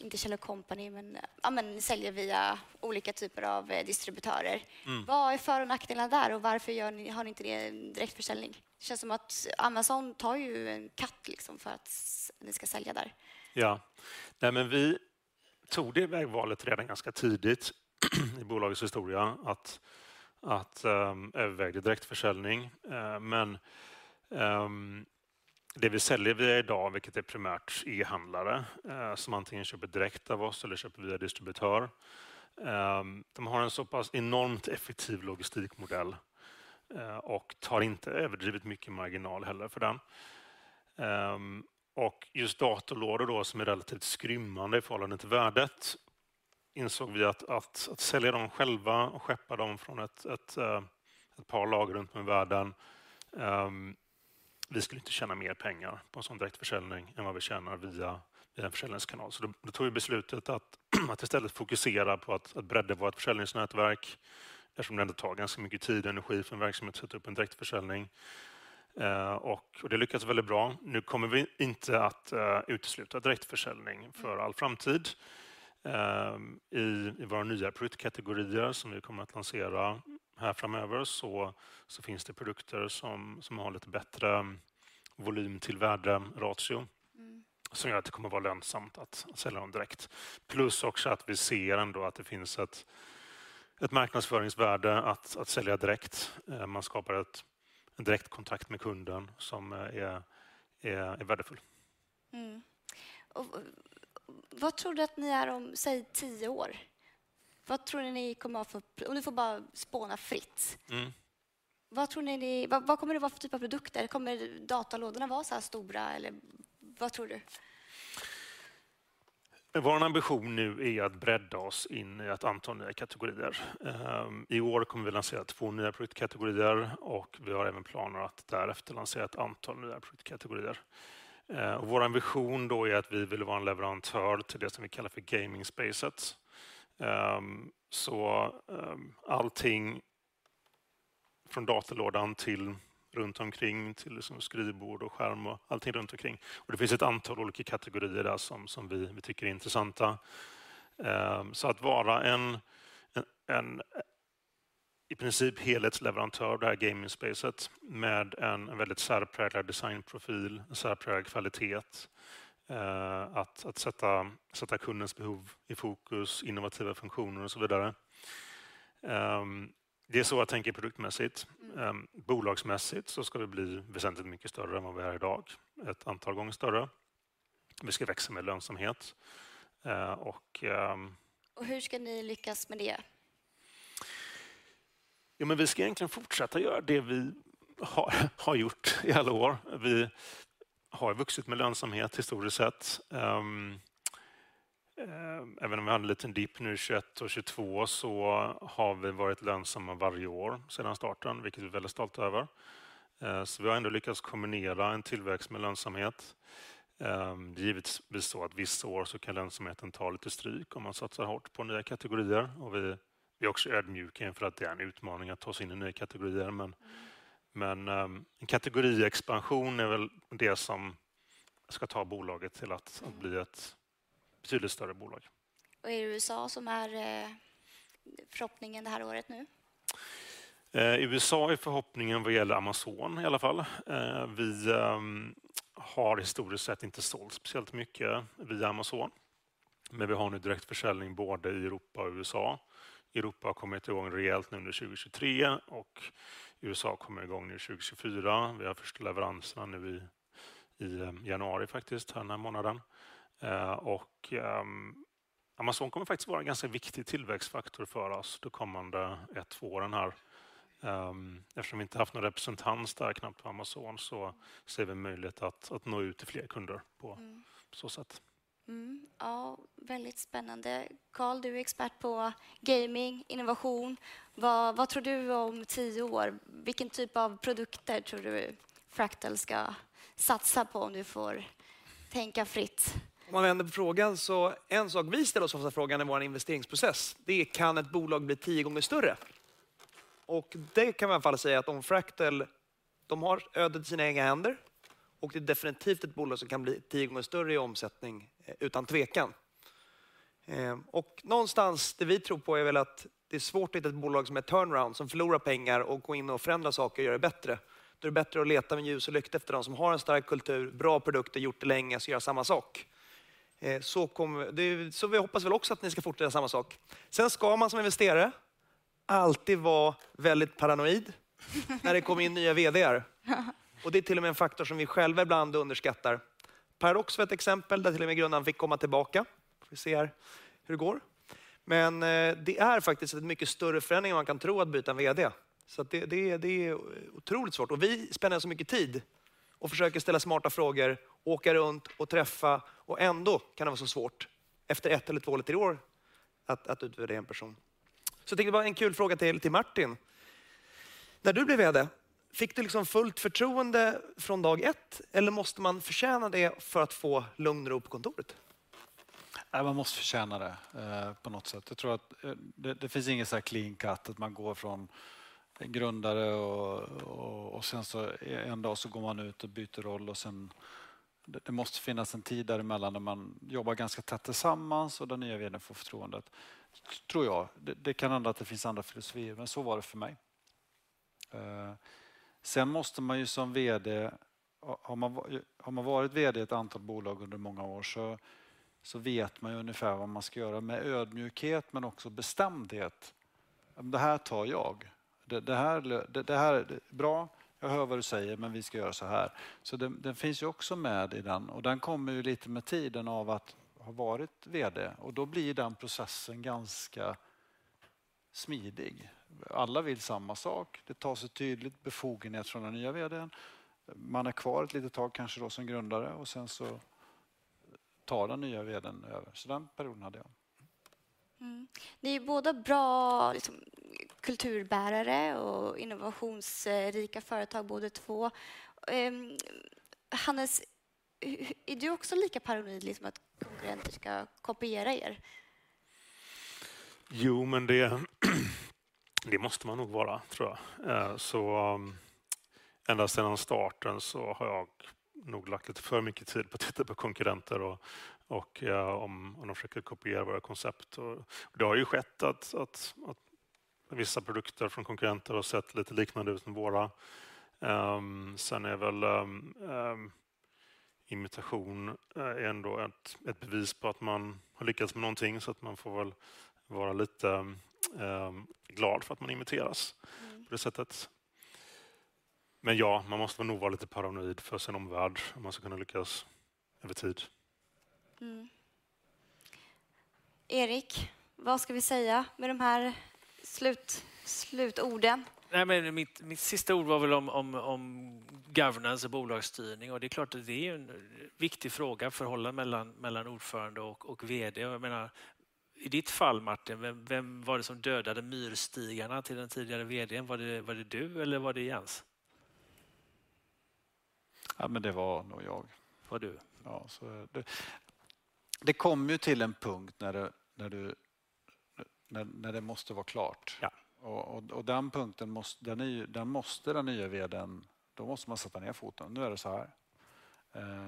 inte Shell och Company, men ja, ni säljer via olika typer av distributörer. Vad är för- och nackdelar där och varför gör ni, har inte ni en direktförsäljning? Det känns som att Amazon tar ju en cut, liksom, för att ni ska sälja där. Ja, nej, men vi tog det vägvalet redan ganska tidigt i bolagets historia att övervägde direktförsäljning. Men det vi säljer via idag, vilket är primärt e-handlare, som antingen köper direkt av oss eller köper via distributör. De har en så pass enormt effektiv logistikmodell, och tar inte överdrivet mycket marginal heller för den. Och just datalådor då, som är relativt skrymmande i förhållande till värdet, insåg vi att sälja dem själva och skeppa dem från ett par lager runt om i världen. Vi skulle inte tjäna mer pengar på en sådan direktförsäljning än vad vi tjänar via den försäljningskanalen. Så då tog vi beslutet att istället fokusera på att bredda vårt försäljningsnätverk, eftersom det ändå tar ganska mycket tid och energi för en verksamhet att sätta upp en direktförsäljning. Och det lyckades väldigt bra. Nu kommer vi inte att utesluta direktförsäljning för all framtid. I våra nya produktkategorier som vi kommer att lansera här framöver finns det produkter som har lite bättre volym till värderatio, som gör att det kommer vara lönsamt att sälja dem direkt. Plus också att vi ser att det finns ett marknadsföringsvärde att sälja direkt. Man skapar en direktkontakt med kunden som är värdefull. Mm. Och var tror du att ni är om, säg, tio år? Vad tror ni ni kommer att ha för-- och ni får bara spåna fritt. Mm. Vad tror ni, vad kommer det att vara för typ av produkter? Kommer datalådorna vara såhär stora eller vad tror du? Vår ambition nu är att bredda oss in i ett antal nya kategorier. I år kommer vi lansera två nya produktkategorier och vi har även planer att därefter lansera ett antal nya produktkategorier. Vår ambition då är att vi vill vara en leverantör till det som vi kallar för gaming space. Så allting från datalådan till runt omkring, till skrivbord och skärm och allting runt omkring. Det finns ett antal olika kategorier där som vi tycker är intressanta. Så att vara en, i princip helhetsleverantör av det här gaming space med en väldigt särpräglad designprofil, en särpräglad kvalitet, att sätta kundens behov i fokus, innovativa funktioner och så vidare. Det är så jag tänker produktmässigt. Bolagsmässigt så ska det bli väsentligt mycket större än vad vi är idag, ett antal gånger större. Vi ska växa med lönsamhet. Och hur ska ni lyckas med det? Jo, men vi ska egentligen fortsätta göra det vi har gjort i alla år. Vi har vuxit med lönsamhet historiskt sett. Även om vi hade en liten dip nu, 21 och 22, så har vi varit lönsamma varje år sedan starten, vilket vi är väldigt stolta över. Så vi har ändå lyckats kombinera en tillväxt med lönsamhet. Givetvis blir det så att vissa år så kan lönsamheten ta lite stryk om man satsar hårt på nya kategorier. Vi är också ödmjuka inför att det är en utmaning att ta oss in i nya kategorier. Men en kategoriexpansion är väl det som ska ta bolaget till att bli ett betydligt större bolag. Och är det USA som är förhoppningen det här året nu? USA är förhoppningen vad gäller Amazon i alla fall. Vi har historiskt sett inte sålt speciellt mycket via Amazon, men vi har nu direktförsäljning både i Europa och USA. Europa har kommit i gång rejält nu under 2023 och USA kommer i gång nu 2024. Vi har första leveranserna nu i januari faktiskt, den här månaden. Amazon kommer faktiskt vara en ganska viktig tillväxtfaktor för oss de kommande ett, två åren här. Eftersom vi inte haft någon representans där, knappt på Amazon, så ser vi en möjlighet att nå ut till fler kunder på så sätt. Mm, ja, väldigt spännande. Carl, du är expert på gaming, innovation. Vad tror du om tio år? Vilken typ av produkter tror du Fractal ska satsa på om du får tänka fritt? Om man vänder på frågan, så en sak vi ställer oss som första frågan i vår investeringsprocess, det är: Kan ett bolag bli tio gånger större? Och det kan man i alla fall säga att om Fractal, de har ödet i sina egna händer och det är definitivt ett bolag som kan bli tio gånger större i omsättning, utan tvekan. Och någonstans, det vi tror på är väl att det är svårt att hitta ett bolag som är turnaround, som förlorar pengar och gå in och förändra saker och göra det bättre. Då är det bättre att leta med ljus och lykta efter dem som har en stark kultur, bra produkter, gjort det länge och ska göra samma sak. Vi hoppas väl också att ni ska fortsätta samma sak. Sen ska man som investerare alltid vara väldigt paranoid när det kommer in nya VD:ar. Och det är till och med en faktor som vi själva ibland underskattar. Perox var ett exempel, där till och med grundaren fick komma tillbaka. Får vi se hur det går. Men det är faktiskt en mycket större förändring än man kan tro att byta en VD. Så att det, det är otroligt svårt och vi spenderar så mycket tid och försöker ställa smarta frågor, åka runt och träffa, och ändå kan det vara så svårt efter ett eller två, tre år att utvärdera en person. Så det var en kul fråga till Martin: När du blev VD, fick du fullt förtroende från dag ett eller måste man förtjäna det för att få lugn och ro på kontoret? Nej, man måste förtjäna det på något sätt. Jag tror att det finns ingen såhär clean cut, att man går från grundare och sen så en dag så går man ut och byter roll och sen. Det måste finnas en tid däremellan när man jobbar ganska tätt tillsammans och den nya VD:n får förtroendet, tror jag. Det kan hända att det finns andra filosofier, men så var det för mig. Sen måste man ju som VD, har man varit VD i ett antal bolag under många år, så vet man ju ungefär vad man ska göra med ödmjukhet men också bestämdhet. Det här tar jag. Det här, bra, jag hör vad du säger, men vi ska göra såhär. Så den finns ju också med i den och den kommer ju lite med tiden av att ha varit VD och då blir den processen ganska smidig. Alla vill samma sak. Det tar sig tydligt befogenhet från den nya VD:n. Man är kvar ett litet tag, kanske då som grundare och sen så tar den nya VD:n över. Så den perioden hade jag. Mm. Ni är båda bra, liksom, kulturbärare och innovationsrika företag, båda två. Hannes, är du också lika paranoid med att konkurrenter ska kopiera er? Jo, men det måste man nog vara, tror jag. Så ända sedan starten så har jag nog lagt lite för mycket tid på att titta på konkurrenter och om de försöker kopiera våra koncept. Och det har ju skett att vissa produkter från konkurrenter har sett lite liknande ut som våra. Sen är väl imitation ändå ett bevis på att man har lyckats med någonting, så att man får väl vara lite glad för att man imiteras på det sättet. Men ja, man måste nog vara lite paranoid för sin omvärld om man ska kunna lyckas över tid. Mm. Erik, vad ska vi säga med de här slutorden? Nej, men mitt sista ord var väl om governance och bolagsstyrning. Och det är klart att det är en viktig fråga, förhållandet mellan ordförande och VD. Jag menar, i ditt fall, Martin, vem var det som dödade myrstigarna till den tidigare VD:n? Var det du eller var det Jens? Ja, men det var nog jag. Var du? Ja, så det kom ju till en punkt när det, när du, när det måste vara klart. Ja. Och den punkten måste, den är ju, den måste den nya VD:n, då måste man sätta ner foten. Nu är det såhär.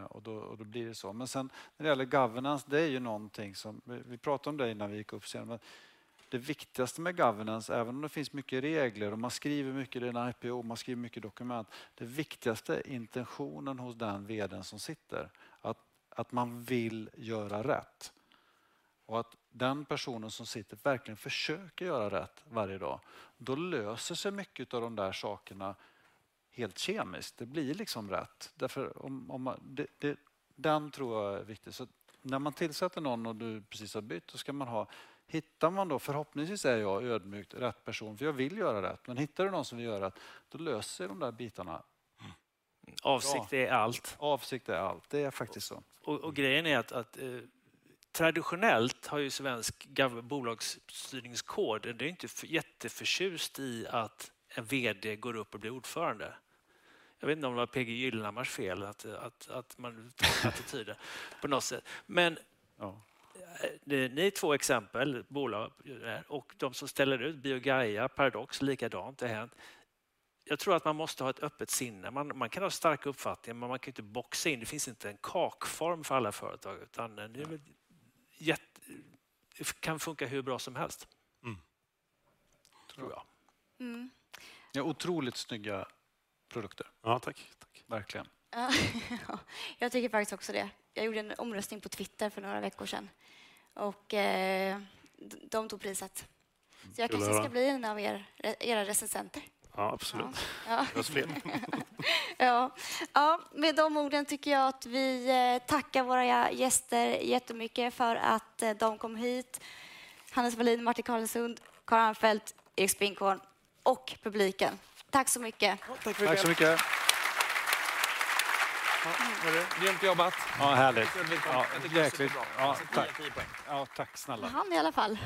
Och då, då blir det så. Men sen när det gäller governance, det är ju någonting som vi pratade om det innan vi gick upp scenen. Det viktigaste med governance, även om det finns mycket regler och man skriver mycket i en IPO, man skriver mycket dokument. Det viktigaste är intentionen hos den VD:n som sitter, att man vill göra rätt och att den personen som sitter verkligen försöker göra rätt varje dag. Då löser sig mycket utav de där sakerna helt kemiskt. Det blir liksom rätt. Därför om... Det, den tror jag är viktig. Så när man tillsätter någon och du precis har bytt, så ska man ha, hittar man då, förhoppningsvis är jag ödmjukt rätt person, för jag vill göra rätt. Men hittar du någon som vill göra rätt, då löser sig de där bitarna. Avsikt är allt. Avsikt är allt, det är faktiskt så. Och grejen är att traditionellt har ju svensk bolagsstyrningskod inte varit jätteförtjust i att en VD går upp och blir ordförande. Jag vet inte om det var PG Gyllenhammars fel att man tog det på något sätt. Ja. Ni är två exempel, bolag, och de som ställer ut BioGaia, Paradox, likadant. Det har hänt. Jag tror att man måste ha ett öppet sinne. Man kan ha starka uppfattningar, men man kan inte boxa in. Det finns inte en kakform för alla företag, utan det är väl jätte... Det kan funka hur bra som helst. Mm. Tror jag. Mm. Ni har otroligt snygga produkter. Ja, tack, tack! Verkligen. Ja, jag tycker faktiskt också det. Jag gjorde en omröstning på Twitter för några veckor sedan och de tog priset. Så jag kanske ska bli en av er, era recensenter. Ja, absolut. Ja. Ja, med de orden tycker jag att vi tackar våra gäster jättemycket för att de kom hit. Hannes Mellin, Martin Carlssund, Carl Armfelt, Erik Sprinchorn och publiken. Tack så mycket! Tack så mycket. Grymt jobbat. Ja, härligt. Ja, verkligen. Ja, tack. Ja, tack snälla. Ja, han i alla fall.